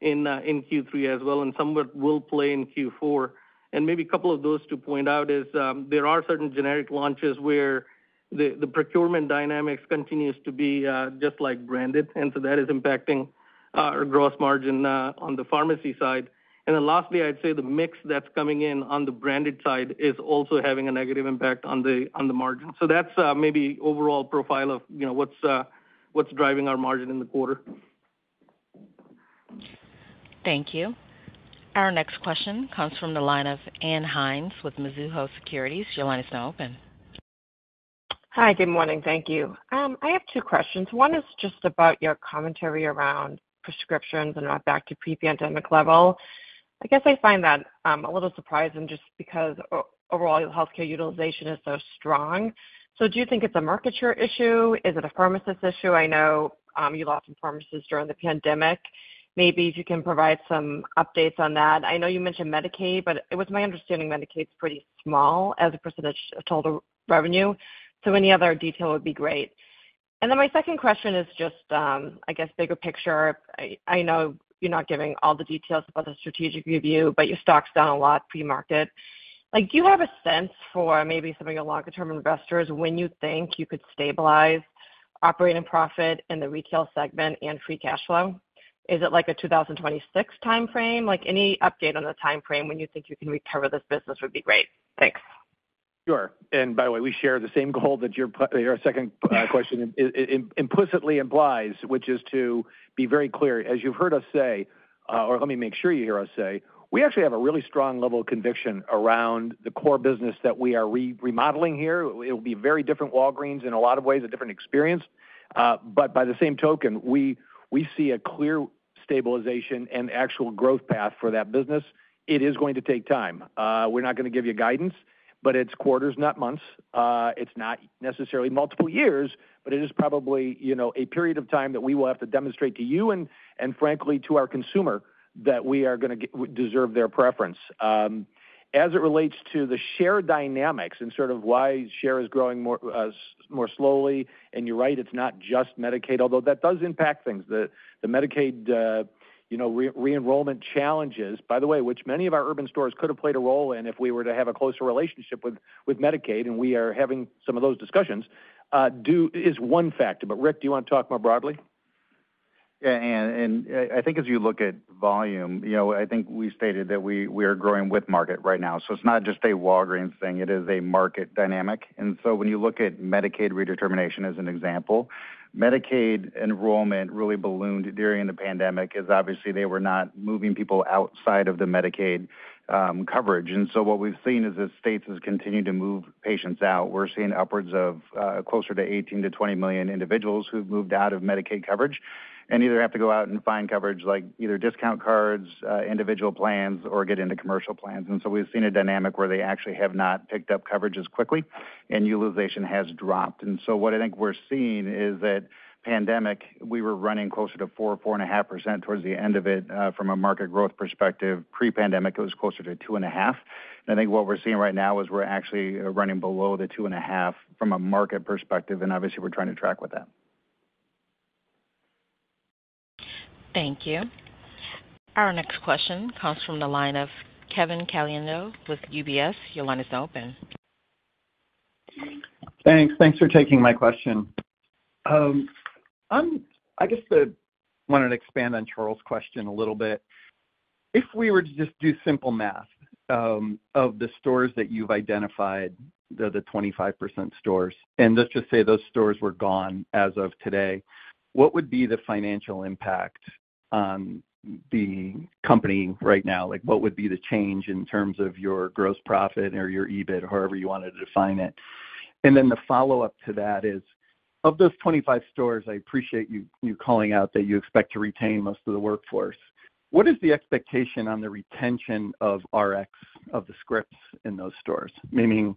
in Q3 as well, and some of it will play in Q4. And maybe a couple of those to point out is there are certain generic launches where the procurement dynamics continues to be just like branded, and so that is impacting our gross margin on the pharmacy side. And then lastly, I'd say the mix that's coming in on the branded side is also having a negative impact on the margin. That's maybe overall profile of, you know, what's driving our margin in the quarter. Thank you. Our next question comes from the line of Ann Hynes with Mizuho Securities. Your line is now open. Hi, good morning. Thank you. I have two questions. One is just about your commentary around prescriptions and not back to pre-pandemic level. I guess I find that a little surprising just because overall, healthcare utilization is so strong. So do you think it's a market share issue? Is it a pharmacist issue? I know you lost some pharmacists during the pandemic. Maybe if you can provide some updates on that. I know you mentioned Medicaid, but it was my understanding Medicaid's pretty small as a percentage of total revenue, so any other detail would be great. And then my second question is just, I guess, bigger picture. I know you're not giving all the details about the strategic review, but your stock's down a lot pre-market. Like, do you have a sense for maybe some of your longer-term investors, when you think you could stabilize?... operating profit in the retail segment and free cash flow? Is it like a 2026 timeframe? Like, any update on the timeframe when you think you can recover this business would be great. Thanks. Sure. And by the way, we share the same goal that your second question implicitly implies, which is to be very clear. As you've heard us say, or let me make sure you hear us say, we actually have a really strong level of conviction around the core business that we are remodeling here. It'll be very different Walgreens in a lot of ways, a different experience. But by the same token, we see a clear stabilization and actual growth path for that business. It is going to take time. We're not gonna give you guidance, but it's quarters, not months. It's not necessarily multiple years, but it is probably, you know, a period of time that we will have to demonstrate to you and, frankly, to our consumer, that we are gonna deserve their preference. As it relates to the share dynamics and sort of why share is growing more slowly, and you're right, it's not just Medicaid, although that does impact things. The Medicaid, you know, re-enrollment challenges, by the way, which many of our urban stores could have played a role in if we were to have a closer relationship with Medicaid, and we are having some of those discussions, is one factor. But Rick, do you want to talk more broadly? Yeah, and I think as you look at volume, you know, I think we stated that we are growing with market right now. So it's not just a Walgreens thing, it is a market dynamic. And so when you look at Medicaid redetermination, as an example, Medicaid enrollment really ballooned during the pandemic, as obviously, they were not moving people outside of the Medicaid, coverage. And so what we've seen is as states has continued to move patients out, we're seeing upwards of, closer to 18-20 million individuals who've moved out of Medicaid coverage, and either have to go out and find coverage, like either discount cards, individual plans, or get into commercial plans. And so we've seen a dynamic where they actually have not picked up coverage as quickly, and utilization has dropped. And so what I think we're seeing is that pandemic, we were running closer to 4-4.5% towards the end of it, from a market growth perspective. Pre-pandemic, it was closer to 2.5%. And I think what we're seeing right now is we're actually running below the 2.5 from a market perspective, and obviously, we're trying to track with that. Thank you. Our next question comes from the line of Kevin Caliendo with UBS. Your line is open. Thanks. Thanks for taking my question. I guess I wanted to expand on Charles' question a little bit. If we were to just do simple math, of the stores that you've identified, the 25% stores, and let's just say those stores were gone as of today, what would be the financial impact on the company right now? Like, what would be the change in terms of your gross profit or your EBIT, or however you wanted to define it? And then the follow-up to that is, of those 25% stores, I appreciate you calling out that you expect to retain most of the workforce. What is the expectation on the retention of Rx, of the scripts in those stores? Meaning, you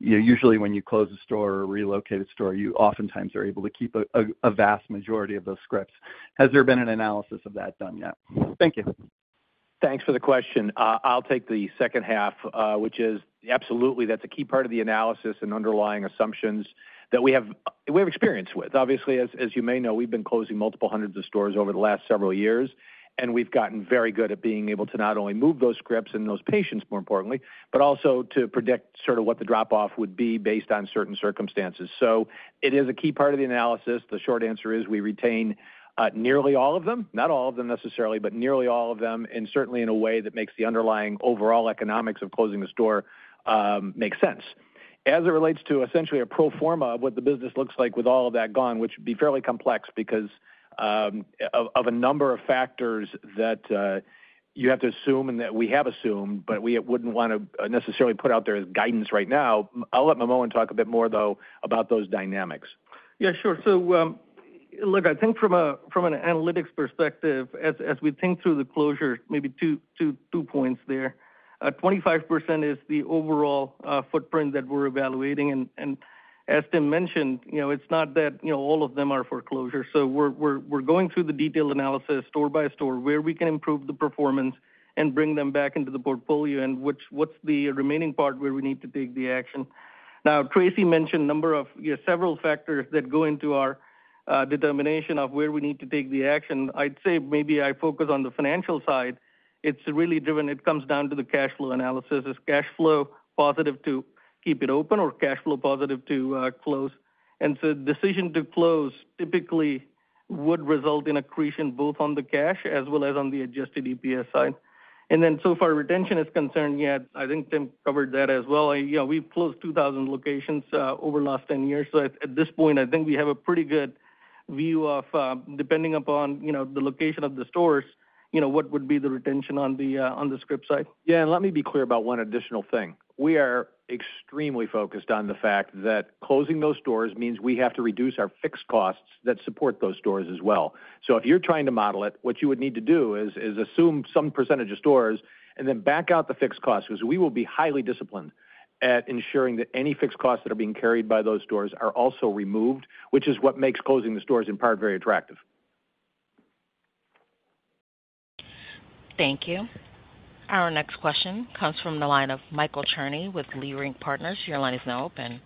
know, usually when you close a store or relocate a store, you oftentimes are able to keep a vast majority of those scripts. Has there been an analysis of that done yet? Thank you. Thanks for the question. I'll take the second half, which is absolutely, that's a key part of the analysis and underlying assumptions that we have, we have experience with. Obviously, as you may know, we've been closing multiple hundreds of stores over the last several years, and we've gotten very good at being able to not only move those scripts and those patients, more importantly, but also to predict sort of what the drop-off would be based on certain circumstances. So it is a key part of the analysis. The short answer is we retain nearly all of them. Not all of them necessarily, but nearly all of them, and certainly in a way that makes the underlying overall economics of closing the store make sense. As it relates to essentially a pro forma of what the business looks like with all of that gone, which would be fairly complex because of a number of factors that you have to assume and that we have assumed, but we wouldn't want to necessarily put out there as guidance right now. I'll let Manmohan talk a bit more, though, about those dynamics. Yeah, sure. So, look, I think from an analytics perspective, as we think through the closure, maybe two points there. 25% is the overall footprint that we're evaluating. And as Tim mentioned, you know, it's not that, you know, all of them are for closure. So we're going through the detailed analysis store by store, where we can improve the performance and bring them back into the portfolio, and what's the remaining part where we need to take the action. Now, Tracey mentioned number of, you know, several factors that go into our determination of where we need to take the action. I'd say maybe I focus on the financial side. It's really driven, it comes down to the cash flow analysis. Is cash flow positive to keep it open or cash flow positive to close? So decision to close typically would result in accretion both on the cash as well as on the Adjusted EPS side. And then, as far as retention is concerned, yeah, I think Tim covered that as well. You know, we've closed 2,000 locations over the last 10 years. So at this point, I think we have a pretty good view of, depending upon, you know, the location of the stores, you know, what would be the retention on the script side. Yeah, and let me be clear about one additional thing. We are extremely focused on the fact that closing those stores means we have to reduce our fixed costs that support those stores as well. So if you're trying to model it, what you would need to do is assume some percentage of stores and then back out the fixed costs, because we will be highly disciplined at ensuring that any fixed costs that are being carried by those stores are also removed, which is what makes closing the stores, in part, very attractive. Thank you. Our next question comes from the line of Michael Cherny with Leerink Partners. Your line is now open.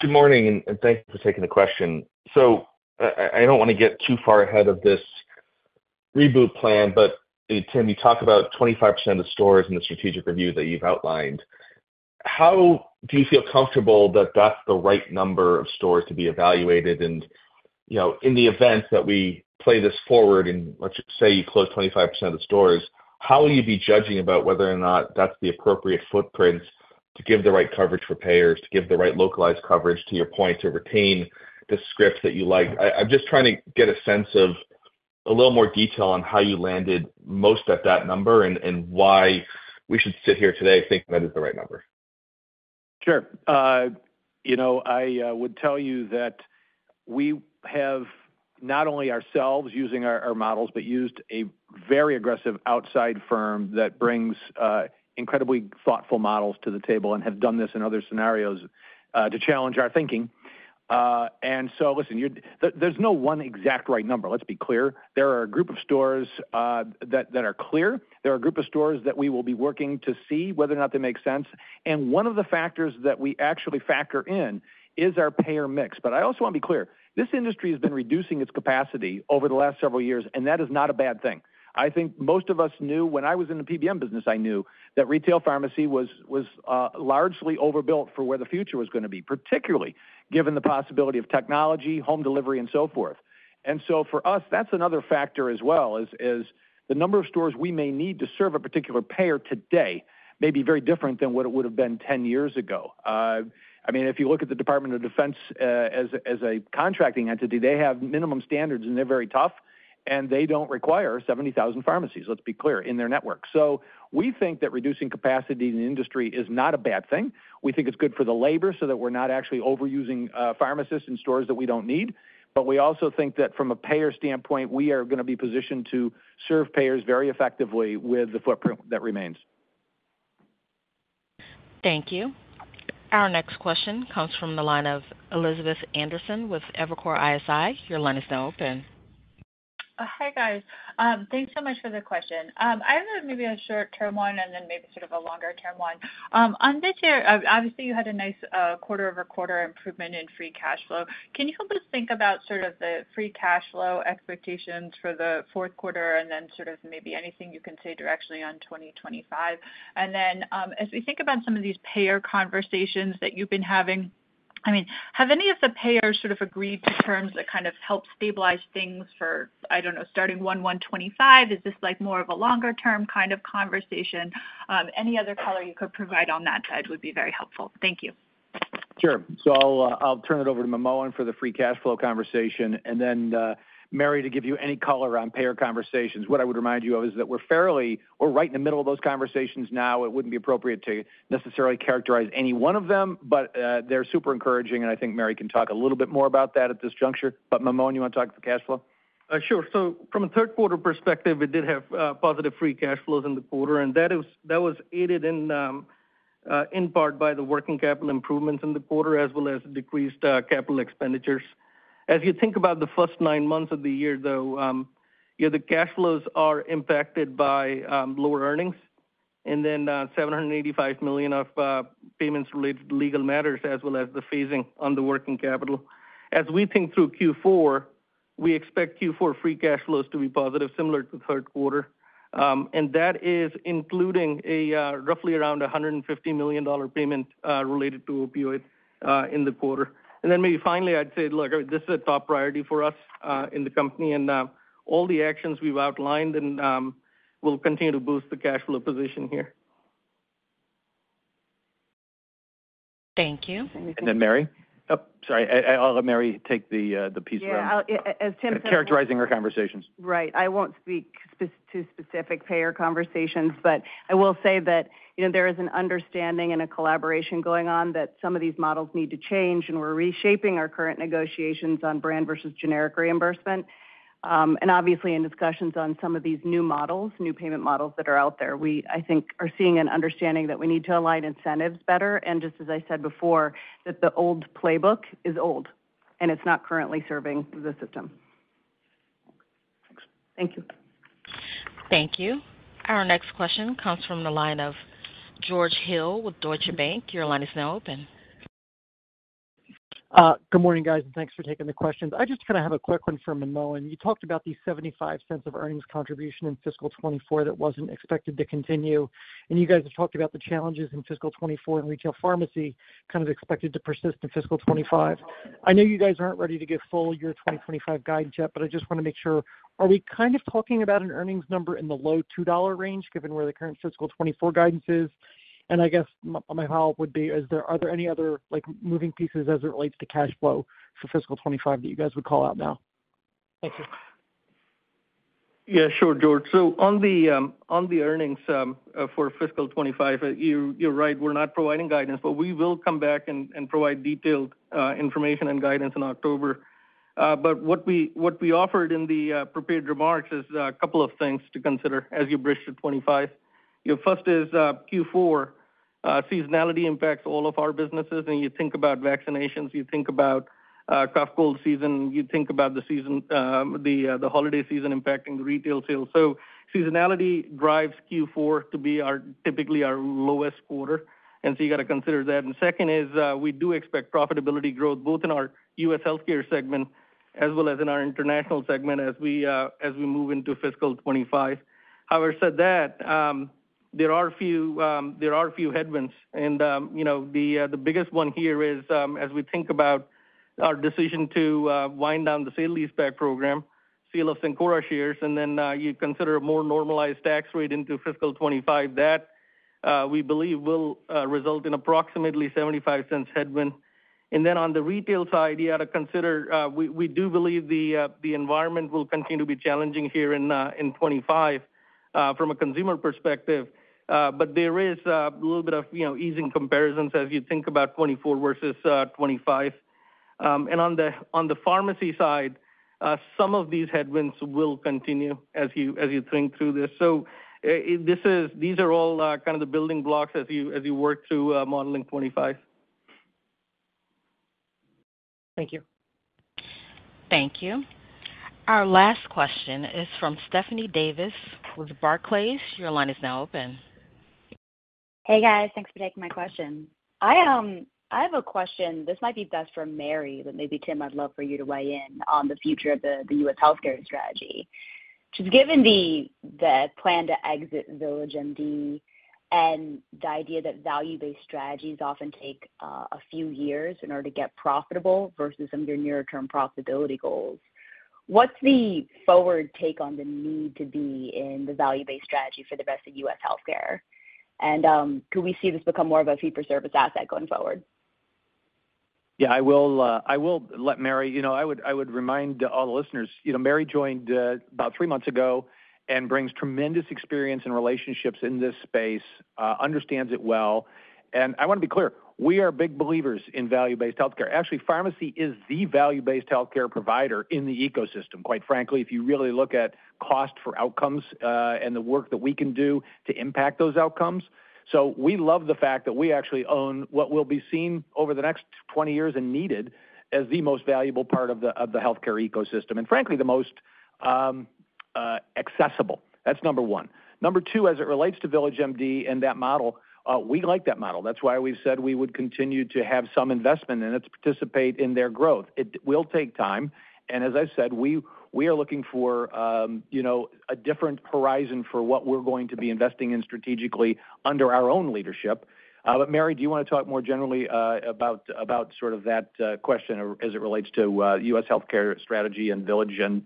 Good morning, and thanks for taking the question. So I don't wanna get too far ahead of this-... reboot plan, but Tim, you talk about 25% of the stores in the strategic review that you've outlined. How do you feel comfortable that that's the right number of stores to be evaluated? And, you know, in the event that we play this forward, and let's say you close 25% of the stores, how will you be judging about whether or not that's the appropriate footprint to give the right coverage for payers, to give the right localized coverage, to your point, to retain the scripts that you like? I'm just trying to get a sense of a little more detail on how you landed most at that number and why we should sit here today thinking that is the right number. Sure. You know, I would tell you that we have not only ourselves using our models, but used a very aggressive outside firm that brings incredibly thoughtful models to the table and have done this in other scenarios to challenge our thinking. And so listen, you're. There's no one exact right number. Let's be clear. There are a group of stores that are clear. There are a group of stores that we will be working to see whether or not they make sense, and one of the factors that we actually factor in is our payer mix. But I also want to be clear, this industry has been reducing its capacity over the last several years, and that is not a bad thing. I think most of us knew, when I was in the PBM business, I knew, that retail pharmacy was largely overbuilt for where the future was gonna be, particularly given the possibility of technology, home delivery, and so forth. And so for us, that's another factor as well, is the number of stores we may need to serve a particular payer today may be very different than what it would've been 10 years ago. I mean, if you look at the Department of Defense, as a contracting entity, they have minimum standards, and they're very tough, and they don't require 70,000 pharmacies, let's be clear, in their network. So we think that reducing capacity in the industry is not a bad thing. We think it's good for the labor, so that we're not actually overusing pharmacists in stores that we don't need. But we also think that from a payer standpoint, we are gonna be positioned to serve payers very effectively with the footprint that remains. Thank you. Our next question comes from the line of Elizabeth Anderson with Evercore ISI. Your line is now open. Hi, guys. Thanks so much for the question. I have maybe a short-term one and then maybe sort of a longer-term one. On this year, obviously, you had a nice, quarter-over-quarter improvement in free cash flow. Can you help us think about sort of the free cash flow expectations for the fourth quarter and then sort of maybe anything you can say directly on 2025? And then, as we think about some of these payer conversations that you've been having, I mean, have any of the payers sort of agreed to terms that kind of help stabilize things for, I don't know, starting 1/1/2025? Is this, like, more of a longer-term kind of conversation? Any other color you could provide on that side would be very helpful. Thank you. Sure. So I'll turn it over to Manmohan for the free cash flow conversation, and then, Mary, to give you any color on payer conversations. What I would remind you of is that we're right in the middle of those conversations now. It wouldn't be appropriate to necessarily characterize any one of them, but they're super encouraging, and I think Mary can talk a little bit more about that at this juncture. But Manmohan, you wanna talk to cash flow? Sure. So from a third quarter perspective, we did have positive free cash flows in the quarter, and that is-- that was aided in, in part by the working capital improvements in the quarter, as well as decreased capital expenditures. As you think about the first nine months of the year, though, the cash flows are impacted by lower earnings and then $785 million of payments related to legal matters, as well as the phasing on the working capital. As we think through Q4, we expect Q4 free cash flows to be positive, similar to the third quarter, and that is including a roughly around a $150 million payment related to opioids in the quarter. Then maybe finally, I'd say, look, this is a top priority for us in the company, and all the actions we've outlined and will continue to boost the cash flow position here. Thank you. Then Mary? Oh, sorry, I'll let Mary take the piece around- Yeah, I'll... As Tim said. Characterizing our conversations. Right. I won't speak to specific payer conversations, but I will say that, you know, there is an understanding and a collaboration going on that some of these models need to change, and we're reshaping our current negotiations on brand versus generic reimbursement. And obviously, in discussions on some of these new models, new payment models that are out there, we, I think, are seeing and understanding that we need to align incentives better, and just as I said before, that the old playbook is old, and it's not currently serving the system. Thanks. Thank you. Thank you. Our next question comes from the line of George Hill with Deutsche Bank. Your line is now open. Good morning, guys, and thanks for taking the questions. I just kind of have a quick one for Manmohan. You talked about the $0.75 of earnings contribution in fiscal 2024 that wasn't expected to continue, and you guys have talked about the challenges in fiscal 2024 in retail pharmacy, kind of expected to persist in fiscal 2025. I know you guys aren't ready to give full year 2025 guidance yet, but I just want to make sure, are we kind of talking about an earnings number in the low $2 range, given where the current fiscal 2024 guidance is? And I guess my, my follow-up would be, is there-- are there any other, like, moving pieces as it relates to cash flow for fiscal 2025 that you guys would call out now? Thank you. Yeah, sure, George. So on the, on the earnings, for fiscal 2025, you, you're right, we're not providing guidance, but we will come back and, and provide detailed, information and guidance in October. But what we, what we offered in the, prepared remarks is a couple of things to consider as you bridge to 2025. You know, first is, Q4. Seasonality impacts all of our businesses, and you think about vaccinations, you think about, cough-cold season, you think about the season, the, the holiday season impacting retail sales. So-... seasonality drives Q4 to be our, typically our lowest quarter, and so you got to consider that. Second is, we do expect profitability growth, both in our U.S. Healthcare segment as well as in our International segment, as we move into fiscal 2025. However, that said, there are a few headwinds, and, you know, the biggest one here is, as we think about our decision to wind down the sale-leaseback program, sale of Cencora shares, and then you consider a more normalized tax rate into fiscal 2025, that we believe will result in approximately $0.75 headwind. And then on the retail side, you ought to consider, we do believe the environment will continue to be challenging here in 2025, from a consumer perspective. But there is a little bit of, you know, easing comparisons as you think about 2024 versus 2025. And on the pharmacy side, some of these headwinds will continue as you think through this. So, this is, these are all kind of the building blocks as you work through modeling 2025. Thank you. Thank you. Our last question is from Stephanie Davis with Barclays. Your line is now open. Hey, guys. Thanks for taking my question. I have a question, this might be best for Mary, but maybe, Tim, I'd love for you to weigh in on the future of the, the U.S. healthcare strategy. Just given the, the plan to exit VillageMD and the idea that value-based strategies often take a few years in order to get profitable versus some of your near-term profitability goals, what's the forward take on the need to be in the value-based strategy for the rest of U.S. healthcare? And, could we see this become more of a fee-for-service asset going forward? Yeah, I will, I will let Mary, you know, I would, I would remind all the listeners, you know, Mary joined, about three months ago and brings tremendous experience and relationships in this space, understands it well. And I wanna be clear, we are big believers in value-based healthcare. Actually, pharmacy is the value-based healthcare provider in the ecosystem, quite frankly, if you really look at cost for outcomes, and the work that we can do to impact those outcomes. So we love the fact that we actually own what will be seen over the next 20 years and needed as the most valuable part of the, of the healthcare ecosystem, and frankly, the most, accessible. That's number one. Number two, as it relates to VillageMD and that model, we like that model. That's why we've said we would continue to have some investment in it, to participate in their growth. It will take time, and as I've said, we, we are looking for, you know, a different horizon for what we're going to be investing in strategically under our own leadership. But, Mary, do you wanna talk more generally, about sort of that question as it relates to U.S. Healthcare strategy and Village and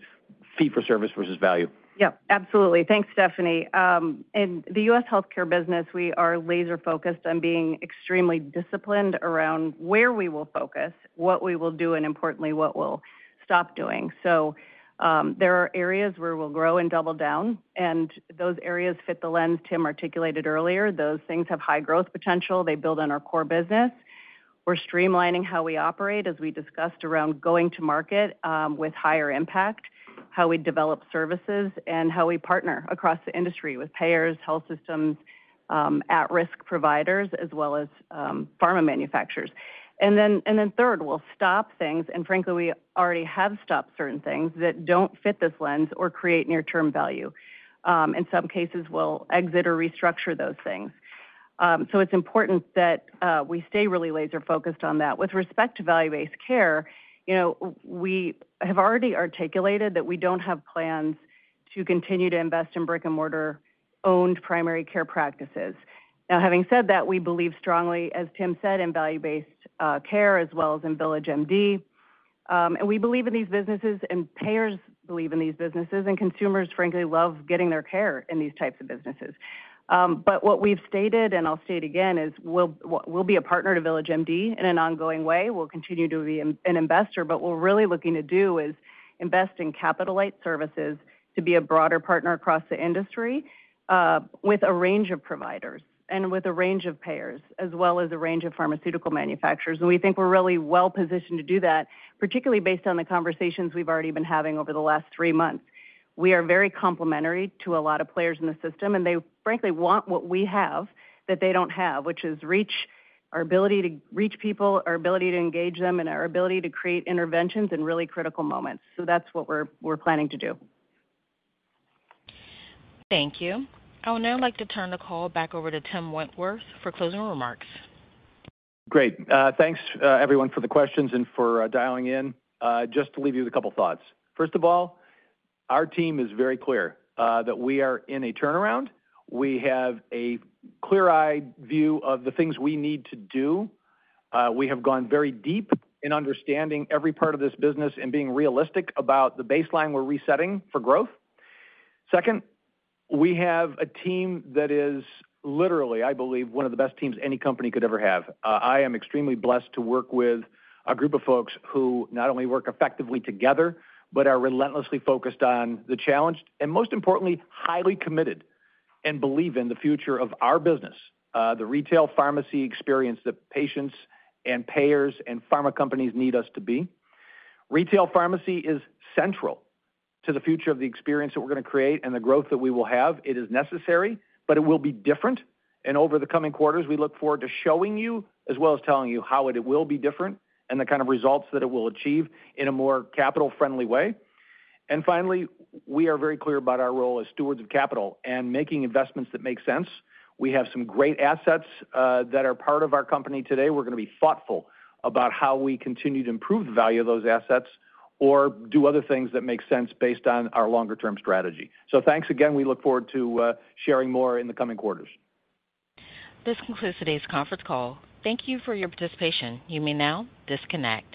fee-for-service versus value? Yeah, absolutely. Thanks, Stephanie. In the U.S. healthcare business, we are laser focused on being extremely disciplined around where we will focus, what we will do, and importantly, what we'll stop doing. So, there are areas where we'll grow and double down, and those areas fit the lens Tim articulated earlier. Those things have high growth potential. They build on our core business. We're streamlining how we operate, as we discussed, around going to market with higher impact, how we develop services, and how we partner across the industry with payers, health systems, at-risk providers, as well as pharma manufacturers. And then, and then third, we'll stop things, and frankly, we already have stopped certain things that don't fit this lens or create near-term value. In some cases, we'll exit or restructure those things. So it's important that we stay really laser focused on that. With respect to value-based care, you know, we have already articulated that we don't have plans to continue to invest in brick-and-mortar owned primary care practices. Now, having said that, we believe strongly, as Tim said, in value-based care as well as in VillageMD. And we believe in these businesses, and payers believe in these businesses, and consumers, frankly, love getting their care in these types of businesses. But what we've stated, and I'll state again, is we'll be a partner to VillageMD in an ongoing way. We'll continue to be an investor, but what we're really looking to do is invest in capital-light services to be a broader partner across the industry, with a range of providers and with a range of payers, as well as a range of pharmaceutical manufacturers. And we think we're really well-positioned to do that, particularly based on the conversations we've already been having over the last three months. We are very complementary to a lot of players in the system, and they frankly want what we have that they don't have, which is reach, our ability to reach people, our ability to engage them, and our ability to create interventions in really critical moments. So that's what we're planning to do. Thank you. I would now like to turn the call back over to Tim Wentworth for closing remarks. Great. Thanks, everyone, for the questions and for dialing in. Just to leave you with a couple thoughts. First of all, our team is very clear that we are in a turnaround. We have a clear-eyed view of the things we need to do. We have gone very deep in understanding every part of this business and being realistic about the baseline we're resetting for growth. Second, we have a team that is literally, I believe, one of the best teams any company could ever have. I am extremely blessed to work with a group of folks who not only work effectively together, but are relentlessly focused on the challenge, and most importantly, highly committed and believe in the future of our business, the retail pharmacy experience that patients and payers and pharma companies need us to be. Retail pharmacy is central to the future of the experience that we're gonna create and the growth that we will have. It is necessary, but it will be different, and over the coming quarters, we look forward to showing you, as well as telling you how it will be different and the kind of results that it will achieve in a more capital-friendly way. And finally, we are very clear about our role as stewards of capital and making investments that make sense. We have some great assets that are part of our company today. We're gonna be thoughtful about how we continue to improve the value of those assets or do other things that make sense based on our longer-term strategy. So thanks again. We look forward to sharing more in the coming quarters. This concludes today's conference call. Thank you for your participation. You may now disconnect.